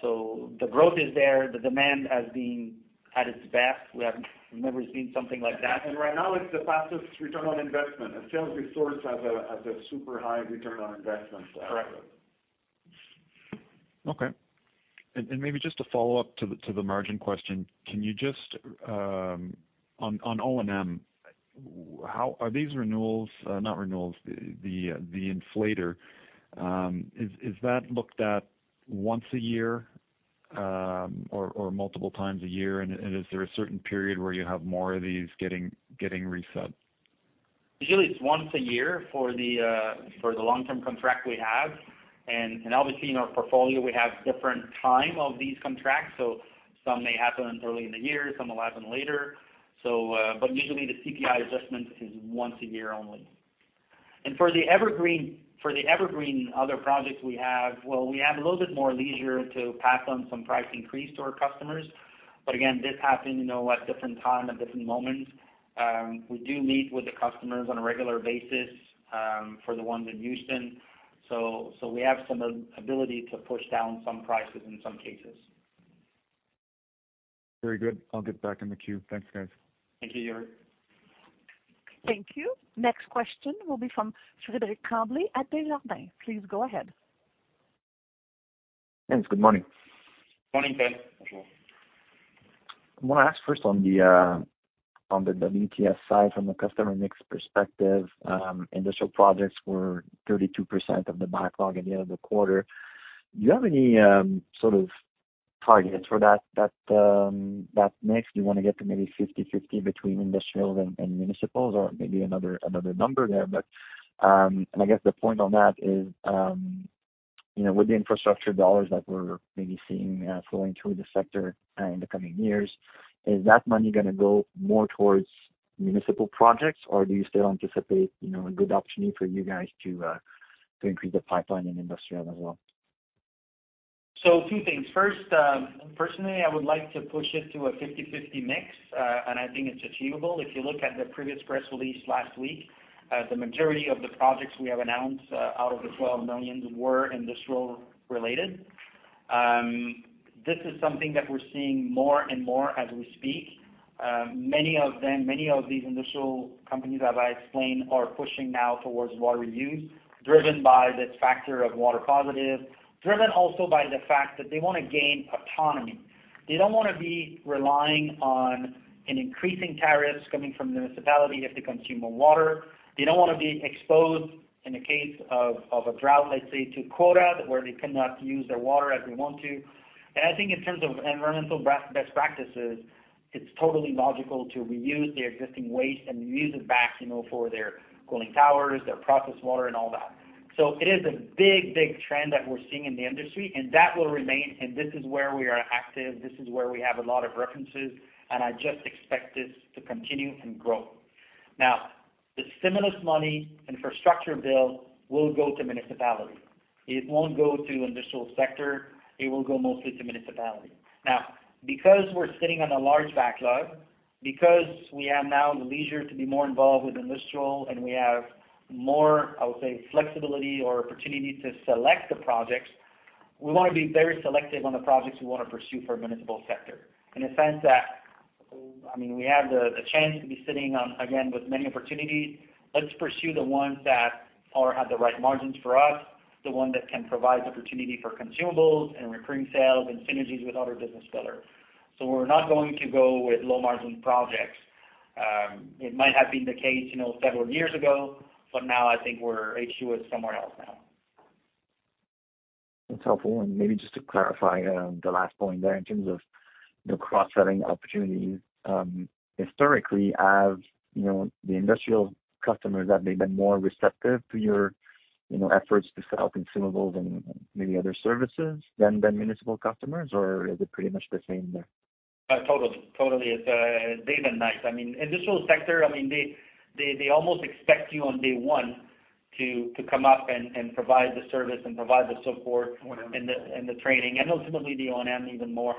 The growth is there. The demand has been at its best. We have never seen something like that. Right now it's the fastest return on investment. A sales resource has a super high return on investment. Correct. Okay. Maybe just a follow-up to the margin question. Can you just on O&M, are these renewals, not renewals, the escalator, is that looked at once a year, or multiple times a year? Is there a certain period where you have more of these getting reset? Usually it's once a year for the long-term contract we have. Obviously in our portfolio we have different times of these contracts. Some may happen early in the year, some will happen later. Usually the CPI adjustment is once a year only. For the evergreen other projects we have, we have a little bit more leisure to pass on some price increase to our customers. Again, this happened, you know, at different times, at different moments. We do meet with the customers on a regular basis for the ones in Houston. We have some ability to push down some prices in some cases. Very good. I'll get back in the queue. Thanks, guys. Thank you, Yuri. Thank you. Next question will be from Frédéric Tremblay at Desjardins. Please go ahead. Thanks. Good morning. Morning, Fred. Bonjour. I wanna ask first on the WTS side from a customer mix perspective. Industrial projects were 32% of the backlog at the end of the quarter. Do you have any sort of targets for that mix? Do you wanna get to maybe 50/50 between industrial and municipals or maybe another number there? I guess the point on that is, you know, with the infrastructure dollars that we're maybe seeing flowing through the sector in the coming years, is that money gonna go more towards municipal projects, or do you still anticipate, you know, a good opportunity for you guys to increase the pipeline in industrial as well? A few things. First, personally, I would like to push it to a 50/50 mix, and I think it's achievable. If you look at the previous press release last week, the majority of the projects we have announced, out of the 12 million were industrial related. This is something that we're seeing more and more as we speak. Many of them, many of these industrial companies as I explained, are pushing now towards water reuse, driven by this factor of water positive, driven also by the fact that they wanna gain autonomy. They don't wanna be relying on increasing tariffs coming from municipality if they consume more water. They don't wanna be exposed in the case of a drought, let's say, to quota, where they cannot use their water as they want to. I think in terms of environmental best practices, it's totally logical to reuse their existing waste and reuse it back, you know, for their cooling towers, their processed water and all that. It is a big trend that we're seeing in the industry, and that will remain, and this is where we are active, this is where we have a lot of references, and I just expect this to continue and grow. Now, the stimulus money infrastructure bill will go to municipality. It won't go to industrial sector, it will go mostly to municipality. Now, because we're sitting on a large backlog, because we have now the leisure to be more involved with industrial and we have more, I would say, flexibility or opportunity to select the projects, we wanna be very selective on the projects we wanna pursue for municipal sector. In a sense that, I mean, we have the chance to be sitting on, again, with many opportunities. Let's pursue the ones that have the right margins for us, the one that can provide opportunity for consumables and recurring sales and synergies with other business pillars. We're not going to go with low-margin projects. It might have been the case, you know, several years ago, but now I think our HQ is somewhere else now. That's helpful. Maybe just to clarify, the last point there in terms of, you know, cross-selling opportunities. Historically, you know, the industrial customers, have they been more receptive to your, you know, efforts to sell consumables and maybe other services than the municipal customers, or is it pretty much the same there? Totally. It's day and night. I mean, industrial sector, I mean, they almost expect you on day one to come up and provide the service and provide the support. Whatever The training, and ultimately the O&M even more.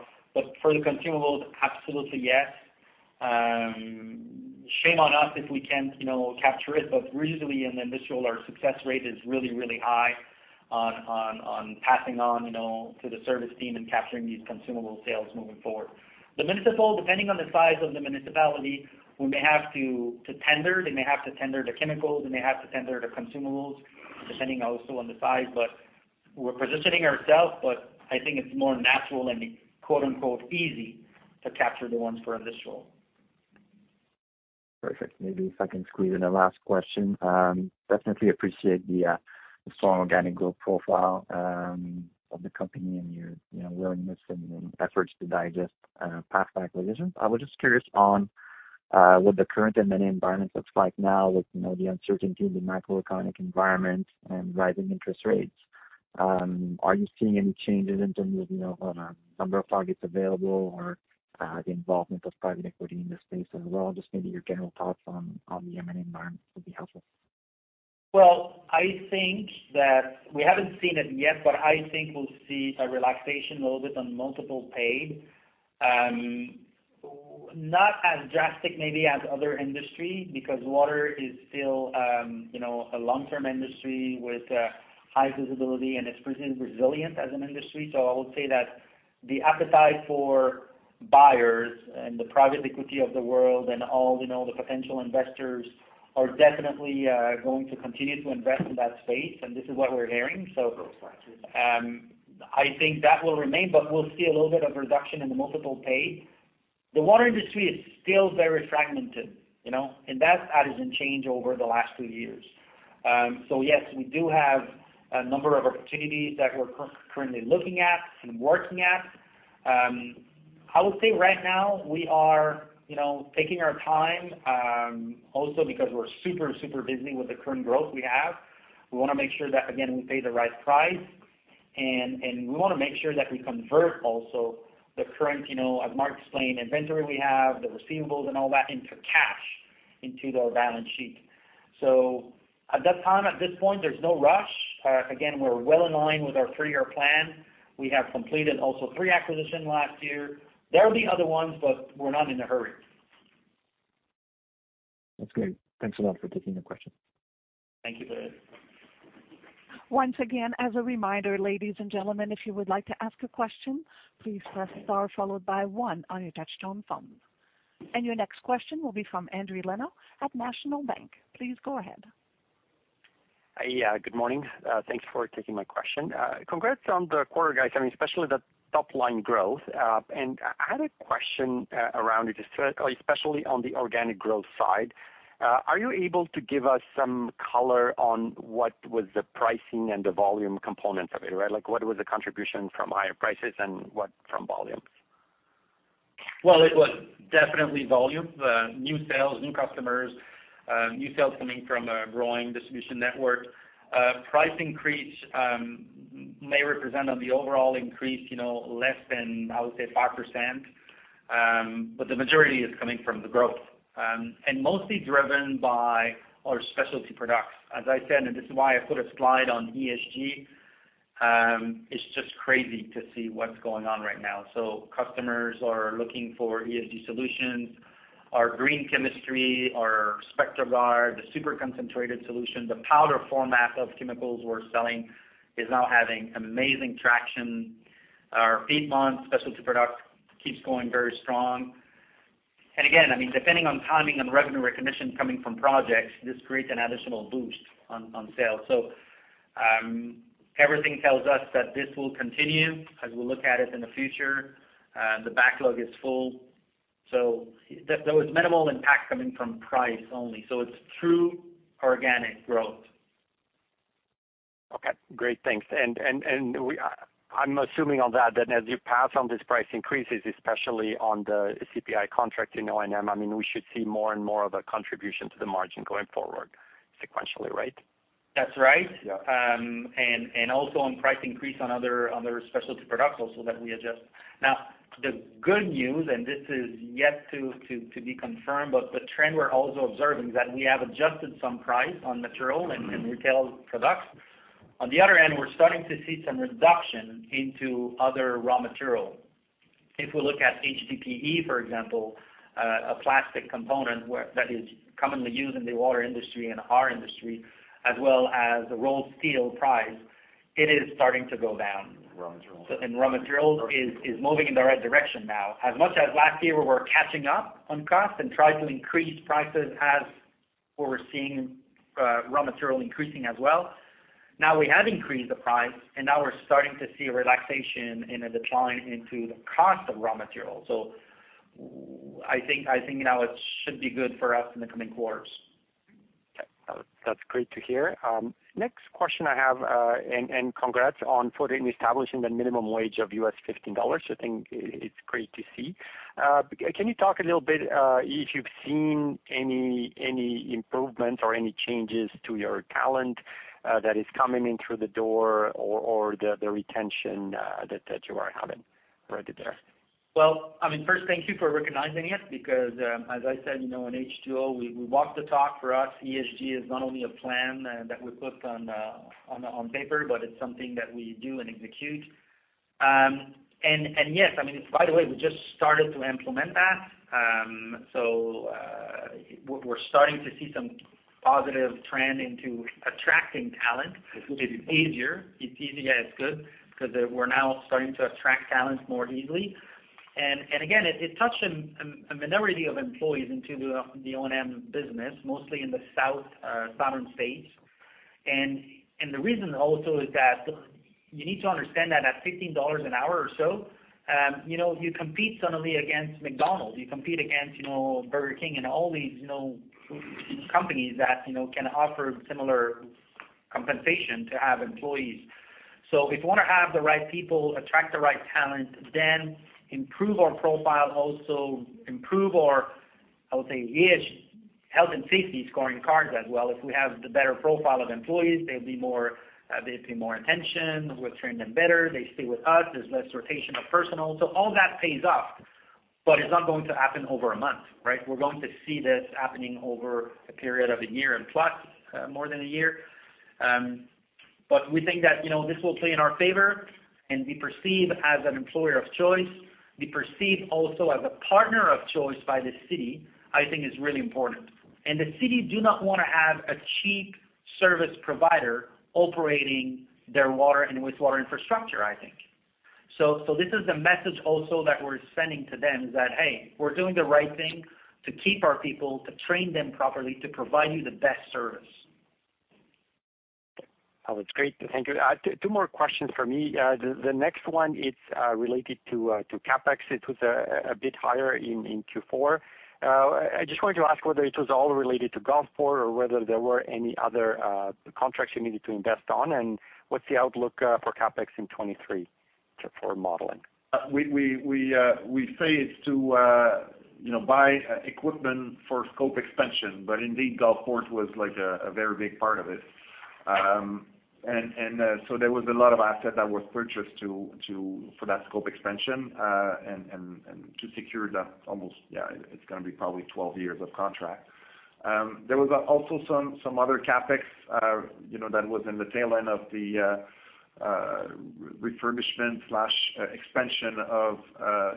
For the consumables, absolutely, yes. Shame on us if we can't, you know, capture it. Reasonably in industrial our success rate is really, really high on passing on, you know, to the service team and capturing these consumable sales moving forward. The municipal, depending on the size of the municipality, we may have to tender. They may have to tender the chemicals, they may have to tender the consumables, depending also on the size. We're positioning ourselves, but I think it's more natural and quote-unquote, "easy" to capture the ones for industrial. Perfect. Maybe if I can squeeze in a last question. Definitely appreciate the strong organic growth profile of the company and your, you know, willingness and efforts to digest past acquisitions. I was just curious on with the current M&A environment looks like now with, you know, the uncertainty in the macroeconomic environment and rising interest rates, are you seeing any changes in terms of, you know, on number of targets available or the involvement of private equity in the space as well? Just maybe your general thoughts on the M&A environment would be helpful. Well, I think that we haven't seen it yet, but I think we'll see a relaxation a little bit on multiples paid. Not as drastic maybe as other industries because water is still, you know, a long-term industry with high visibility, and it's proven resilient as an industry. I would say that the appetite for buyers and the private equity of the world and all, you know, the potential investors are definitely going to continue to invest in that space, and this is what we're hearing. I think that will remain, but we'll see a little bit of reduction in the multiples paid. The water industry is still very fragmented, you know, and that hasn't changed over the last two years. Yes, we do have a number of opportunities that we're currently looking at and working on. I would say right now we are, you know, taking our time, also because we're super busy with the current growth we have. We wanna make sure that, again, we pay the right price and we wanna make sure that we convert also the current, you know, as Marc explained, inventory we have, the receivables and all that into cash, into our balance sheet. So at that time, at this point, there's no rush. Again, we're well in line with our three-year plan. We have completed also three acquisition last year. There'll be other ones, but we're not in a hurry. That's great. Thanks a lot for taking the question. Thank you, Fred. Once again, as a reminder, ladies and gentlemen, if you would like to ask a question, please press star followed by one on your touchtone phone. Your next question will be from Endri Leno at National Bank Financial. Please go ahead. Hey, good morning. Thanks for taking my question. Congrats on the quarter guys, I mean, especially the top line growth. I had a question around it, especially on the organic growth side. Are you able to give us some color on what was the pricing and the volume components of it, right? Like, what was the contribution from higher prices and what from volumes? Well, it was definitely volume. New sales, new customers, new sales coming from a growing distribution network. Price increase may represent on the overall increase, you know, less than I would say 5%. The majority is coming from the growth, and mostly driven by our Specialty Products. As I said, this is why I put a slide on ESG. It's just crazy to see what's going on right now. Customers are looking for ESG solutions. Our green chemistry, our SpectraGuard, the super concentrated solution, the powder format of chemicals we're selling is now having amazing traction. Our Piedmont Specialty Product keeps going very strong. Again, I mean, depending on timing and revenue recognition coming from projects, this creates an additional boost on sales. Everything tells us that this will continue as we look at it in the future. The backlog is full. There was minimal impact coming from price only. It's true organic growth. Okay, great. Thanks. I'm assuming on that as you pass on these price increases, especially on the CPI contract in O&M, I mean, we should see more and more of a contribution to the margin going forward sequentially, right? That's right. Yeah. Also on price increase on other, on their Specialty Products also that we adjust. Now, the good news, and this is yet to be confirmed, but the trend we're also observing is that we have adjusted some price on material and retail products. On the other end, we're starting to see some reduction in other raw materials. If we look at HDPE, for example, a plastic component that is commonly used in the water industry and our industry, as well as the rolled steel price, it is starting to go down. Raw materials. Raw materials is moving in the right direction now. As much as last year we were catching up on cost and tried to increase prices as we were seeing, raw material increasing as well, now we have increased the price, and now we're starting to see a relaxation and a decline into the cost of raw materials. I think now it should be good for us in the coming quarters. That's great to hear. Next question I have, and congrats on establishing the minimum wage of $15. I think it's great to see. Can you talk a little bit if you've seen any improvement or any changes to your talent that is coming in through the door or the retention that you are having right there? Well, I mean, first thank you for recognizing it because, as I said, you know, in H2O, we walk the talk. For us, ESG is not only a plan that we put on paper, but it's something that we do and execute. Yes, I mean, by the way, we just started to implement that. So, we're starting to see some positive trend in attracting talent, which is easier. It's easy and it's good because, we're now starting to attract talent more easily. Again, it touched a minority of employees in the O&M business, mostly in the southern states. The reason also is that you need to understand that at $15 an hour or so, you know, you compete suddenly against McDonald's, you compete against, you know, Burger King and all these, you know, fast-food companies that, you know, can offer similar compensation to have employees. If you wanna have the right people, attract the right talent, then improve our profile, also improve our, I would say, EHS health and safety scorecards as well. If we have the better profile of employees, they'll be more, they pay more attention, we train them better, they stay with us. There's less rotation of personnel, so all that pays off, but it's not going to happen over a month, right? We're going to see this happening over a period of a year and plus, more than a year. We think that, you know, this will play in our favor and be perceived as an employer of choice, be perceived also as a partner of choice by the city, I think is really important. The city do not want to have a cheap service provider operating their water and wastewater infrastructure, I think. This is the message also that we're sending to them is that, hey, we're doing the right thing to keep our people, to train them properly, to provide you the best service. Oh, it's great. Thank you. Two more questions for me. The next one is related to CapEx. It was a bit higher in Q4. I just wanted to ask whether it was all related to Gulfport or whether there were any other contracts you needed to invest on, and what's the outlook for CapEx in 2023 for modeling? We say it's to buy equipment for scope expansion, but indeed, Gulfport was like a very big part of it. There was a lot of asset that was purchased for that scope expansion, and to secure that almost, yeah, it's gonna be probably 12 years of contract. There was also some other CapEx, you know, that was in the tail end of the refurbishment expansion of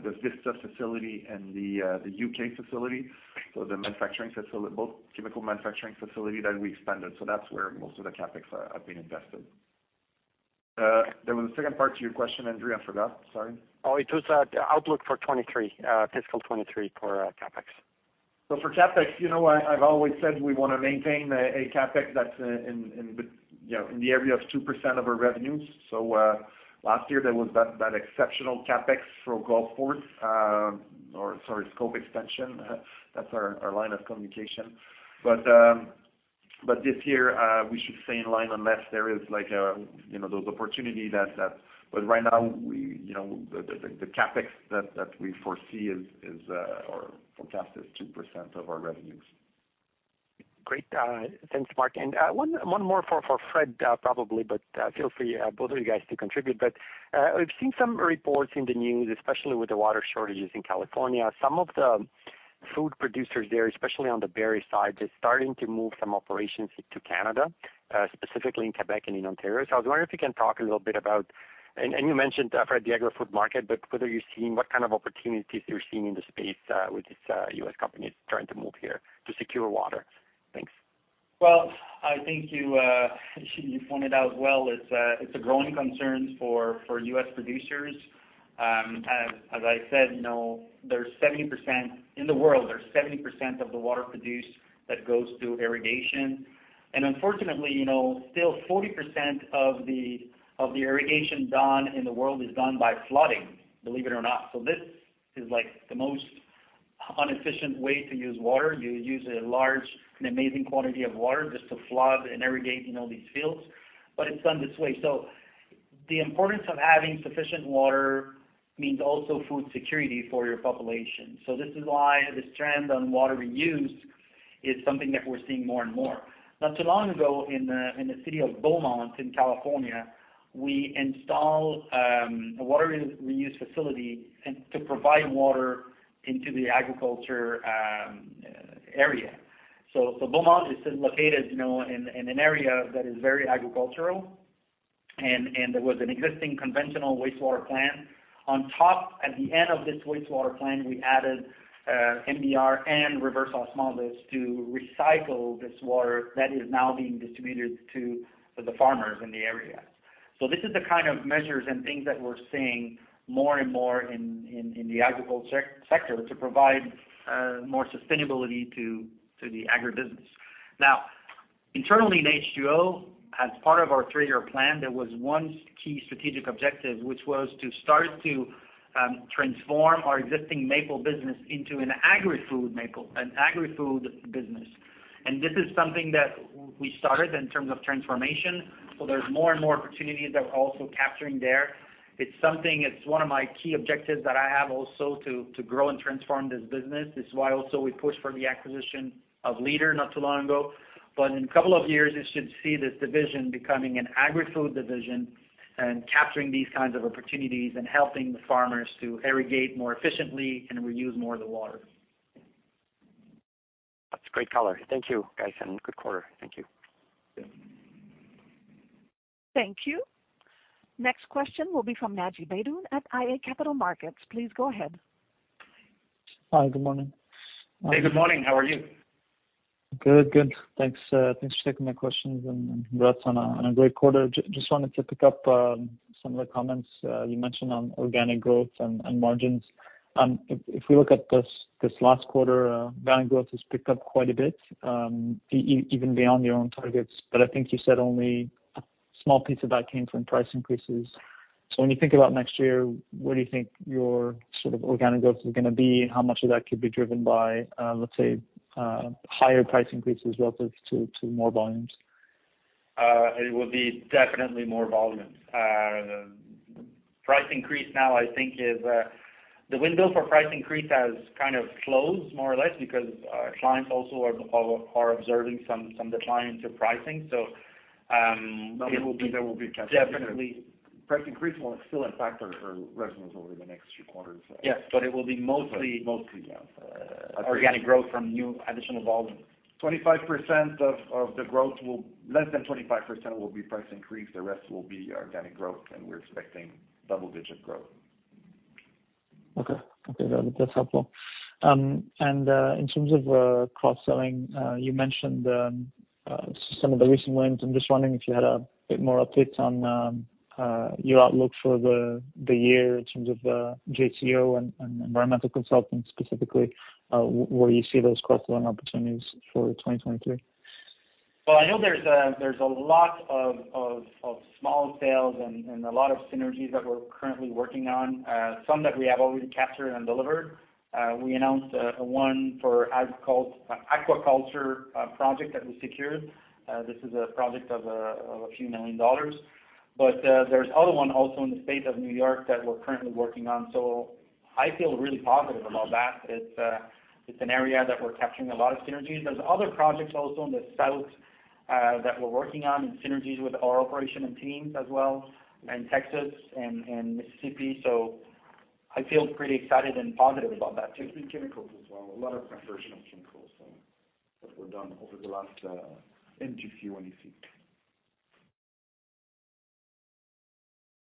the Vista facility and the U.K. facility. The manufacturing facility both chemical manufacturing facility that we expanded. That's where most of the CapEx are have been invested. There was a second part to your question, Andrew. I forgot. Sorry. Oh, it was the outlook for 2023, fiscal 2023 for CapEx. For CapEx, I've always said we wanna maintain a CapEx that's in the area of 2% of our revenues. Last year there was that exceptional CapEx for scope expansion. That's our line of communication. This year we should stay in line unless there is those opportunity. Right now the CapEx that we foresee or forecast is 2% of our revenues. Great. Thanks, Marc. One more for Fred, probably, but feel free, both of you guys to contribute. I've seen some reports in the news, especially with the water shortages in California. Some of the food producers there, especially on the berry side, they're starting to move some operations into Canada, specifically in Quebec and in Ontario. I was wondering if you can talk a little bit about and you mentioned, Fred, the agro-food market, but whether you're seeing what kind of opportunities you're seeing in the space with these US companies trying to move here to secure water. Thanks. Well, I think you pointed out well, it's a growing concern for US producers. As I said, you know, there's 70% in the world of the water produced that goes to irrigation. Unfortunately, you know, still 40% of the irrigation done in the world is done by flooding, believe it or not. This is like the most inefficient way to use water. You use a large, an amazing quantity of water just to flood and irrigate, you know, these fields, but it's done this way. The importance of having sufficient water means also food security for your population. This is why this trend on water reuse is something that we're seeing more and more. Not too long ago, in the city of Beaumont in California, we installed a water reuse facility and to provide water into the agriculture area. Beaumont is located in an area that is very agricultural and there was an existing conventional wastewater plant. On top, at the end of this wastewater plant, we added MBR and reverse osmosis to recycle this water that is now being distributed to the farmers in the area. This is the kind of measures and things that we're seeing more and more in the agricultural sector to provide more sustainability to the agribusiness. Now, internally in H2O as part of our three-year plan, there was one key strategic objective, which was to start to transform our existing Maple business into an agri-food Maple, an agri-food business. This is something that we started in terms of transformation, so there's more and more opportunities that we're also capturing there. It's something, it's one of my key objectives that I have also to grow and transform this business. This is why also we pushed for the acquisition of Leader not too long ago. In a couple of years, you should see this division becoming an agri-food division and capturing these kinds of opportunities and helping the farmers to irrigate more efficiently and reuse more of the water. That's a great color. Thank you, guys, and good quarter. Thank you. Thank you. Next question will be from Naji Baydoun at iA Capital Markets. Please go ahead. Hi, good morning. Hey, good morning. How are you? Good. Thanks for taking my questions and congrats on a great quarter. Just wanted to pick up some of the comments you mentioned on organic growth and margins. If we look at this last quarter, organic growth has picked up quite a bit, even beyond your own targets. I think you said only a small piece of that came from price increases. When you think about next year, where do you think your sort of organic growth is gonna be? How much of that could be driven by, let's say, higher price increases relative to more volumes? It will be definitely more volumes. Price increase now I think is the window for price increase has kind of closed more or less because our clients also are observing some decline in pricing. No, there will be a catch. Definitely. Price increase will still impact our revenues over the next few quarters. Yes. It will be mostly. Mostly, yeah. Organic growth from new additional volumes. 25% of the growth will. Less than 25% will be price increase, the rest will be organic growth, and we're expecting double-digit growth. Okay, that's helpful. In terms of cross-selling, you mentioned some of the recent wins. I'm just wondering if you had a bit more update on your outlook for the year in terms of JCO and Environmental Consultants specifically, where you see those cross-selling opportunities for 2023. Well, I know there's a lot of small sales and a lot of synergies that we're currently working on, some that we have already captured and delivered. We announced one for agriculture, aquaculture project that we secured. This is a project of a few million dollars. There's another one also in the state of New York that we're currently working on. I feel really positive about that. It's an area that we're capturing a lot of synergies. There's other projects also in the south that we're working on in synergies with our operations and teams as well, in Texas and Mississippi. I feel pretty excited and positive about that too. It's been chemicals as well, a lot of professional chemicals, so that we've done over the last into Q1 this year.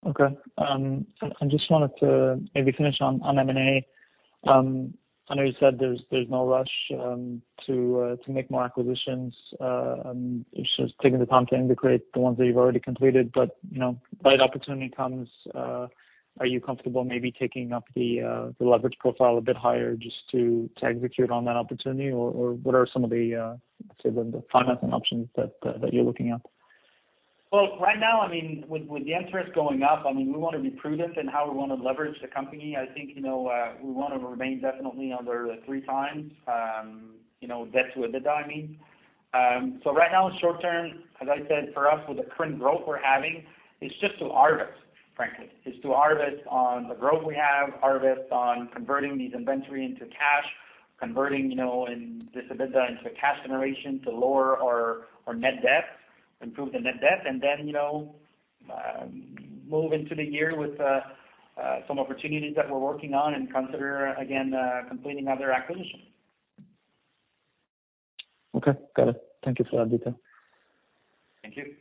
Okay. I just wanted to maybe finish on M&A. I know you said there's no rush to make more acquisitions, and it's just taking the time to integrate the ones that you've already completed. You know, right opportunity comes, are you comfortable maybe taking up the leverage profile a bit higher just to execute on that opportunity? What are some of the, say, the financing options that you're looking at? Well, right now, I mean, with the interest going up, I mean, we wanna be prudent in how we wanna leverage the company. I think, you know, we wanna remain definitely under the 3x, you know, debt to EBITDA, I mean. Right now in short term, as I said, for us with the current growth we're having, it's just to harvest, frankly. It's to harvest on the growth we have, harvest on converting these inventory into cash, converting, you know, this EBITDA into cash generation to lower our net debt, improve the net debt, and then, you know, move into the year with some opportunities that we're working on and consider again completing other acquisitions. Okay. Got it. Thank you for that detail. Thank you.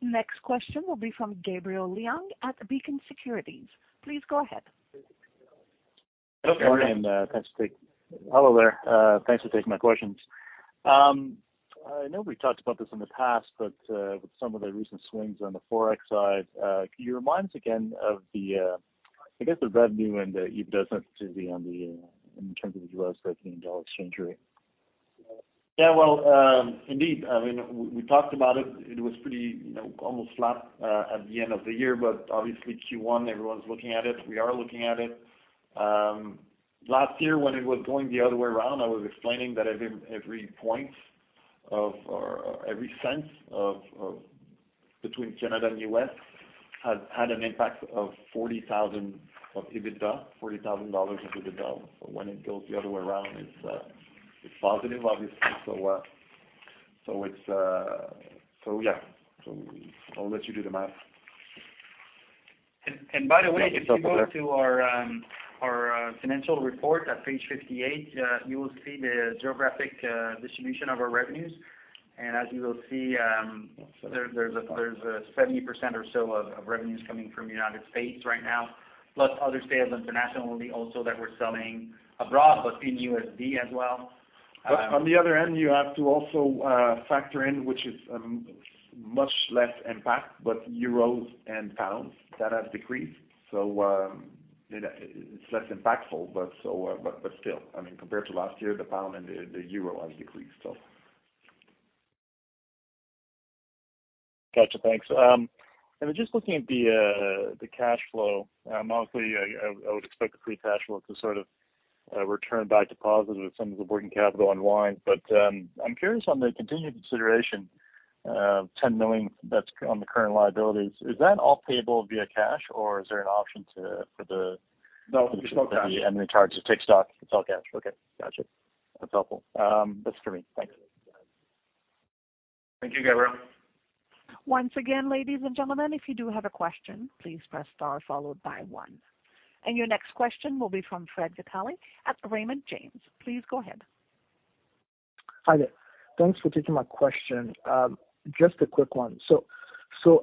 Next question will be from Gabriel Leung at Beacon Securities. Please go ahead. Hello, Gabriel. Good morning. Hello there. Thanks for taking my questions. I know we talked about this in the past, but with some of the recent swings on the Forex side, can you remind us again of the, I guess, the revenue and the EBITDA sensitivity in terms of the U.S. dollar exchange rate? Yeah, well, indeed, I mean, we talked about it. It was pretty, you know, almost flat at the end of the year, but obviously Q1, everyone's looking at it. We are looking at it. Last year when it was going the other way around, I was explaining that every point or every cent between Canada and U.S. has had an impact of $40,000 of EBITDA. When it goes the other way around, it's positive obviously. Yeah, I'll let you do the math. By the way. Yeah. If you go to our financial report at page 58, you will see the geographic distribution of our revenues. As you will see, there's a 70% or so of revenues coming from United States right now, plus other sales internationally also that we're selling abroad, but in USD as well. On the other end, you have to also factor in, which is much less impact, but euros and pounds that have decreased. It's less impactful, but still, I mean, compared to last year, the pound and the euro has decreased so. Gotcha. Thanks. Just looking at the cash flow, obviously I would expect the free cash flow to sort of return back to positive with some of the working capital online. I'm curious on the contingent consideration 10 million that's on the current liabilities. Is that all payable via cash or is there an option to No, it's all cash. The charge to take stock? It's all cash. Okay. Got it. That's helpful. That's for me. Thanks. Thank you, Gabriel. Once again, ladies and gentlemen, if you do have a question, please press star followed by one. Your next question will be from Michael Glen at Raymond James. Please go ahead. Hi there. Thanks for taking my question. Just a quick one.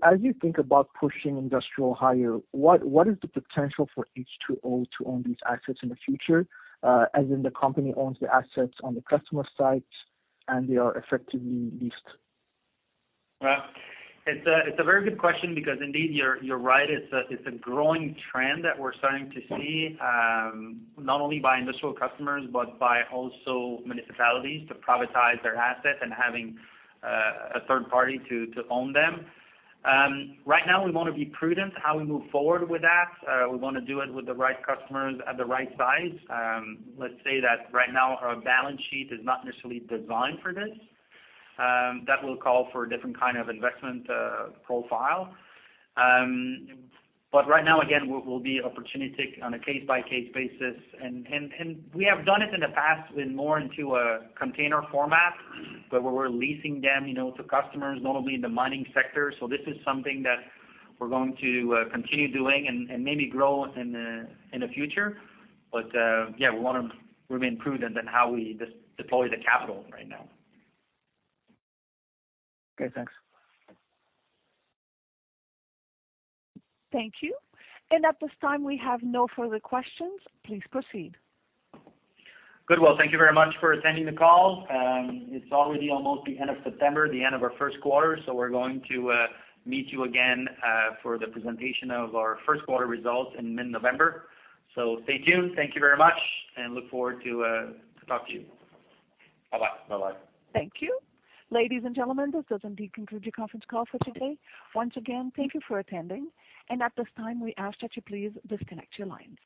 As you think about pushing industrial higher, what is the potential for H2O to own these assets in the future? As in, the company owns the assets on the customer sites and they are effectively leased. Right. It's a very good question because indeed, you're right. It's a growing trend that we're starting to see, not only by industrial customers, but by also municipalities to privatize their assets and having a third party to own them. Right now we wanna be prudent how we move forward with that. We wanna do it with the right customers at the right size. Let's say that right now, our balance sheet is not necessarily designed for this, that will call for a different kind of investment profile. But right now again, we'll be opportunistic on a case by case basis. We have done it in the past with more into a container format, but where we're leasing them, you know, to customers, notably in the mining sector. This is something that we're going to continue doing and maybe grow in the future. Yeah, we wanna remain prudent in how we deploy the capital right now. Okay, thanks. Thank you. At this time, we have no further questions. Please proceed. Good. Well, thank you very much for attending the call. It's already almost the end of September, the end of our first quarter. We're going to meet you again for the presentation of our first quarter results in mid November. Stay tuned. Thank you very much and look forward to talk to you. Bye-bye. Bye-bye. Thank you. Ladies and gentlemen, this does indeed conclude your conference call for today. Once again, thank you for attending, and at this time we ask that you please disconnect your lines.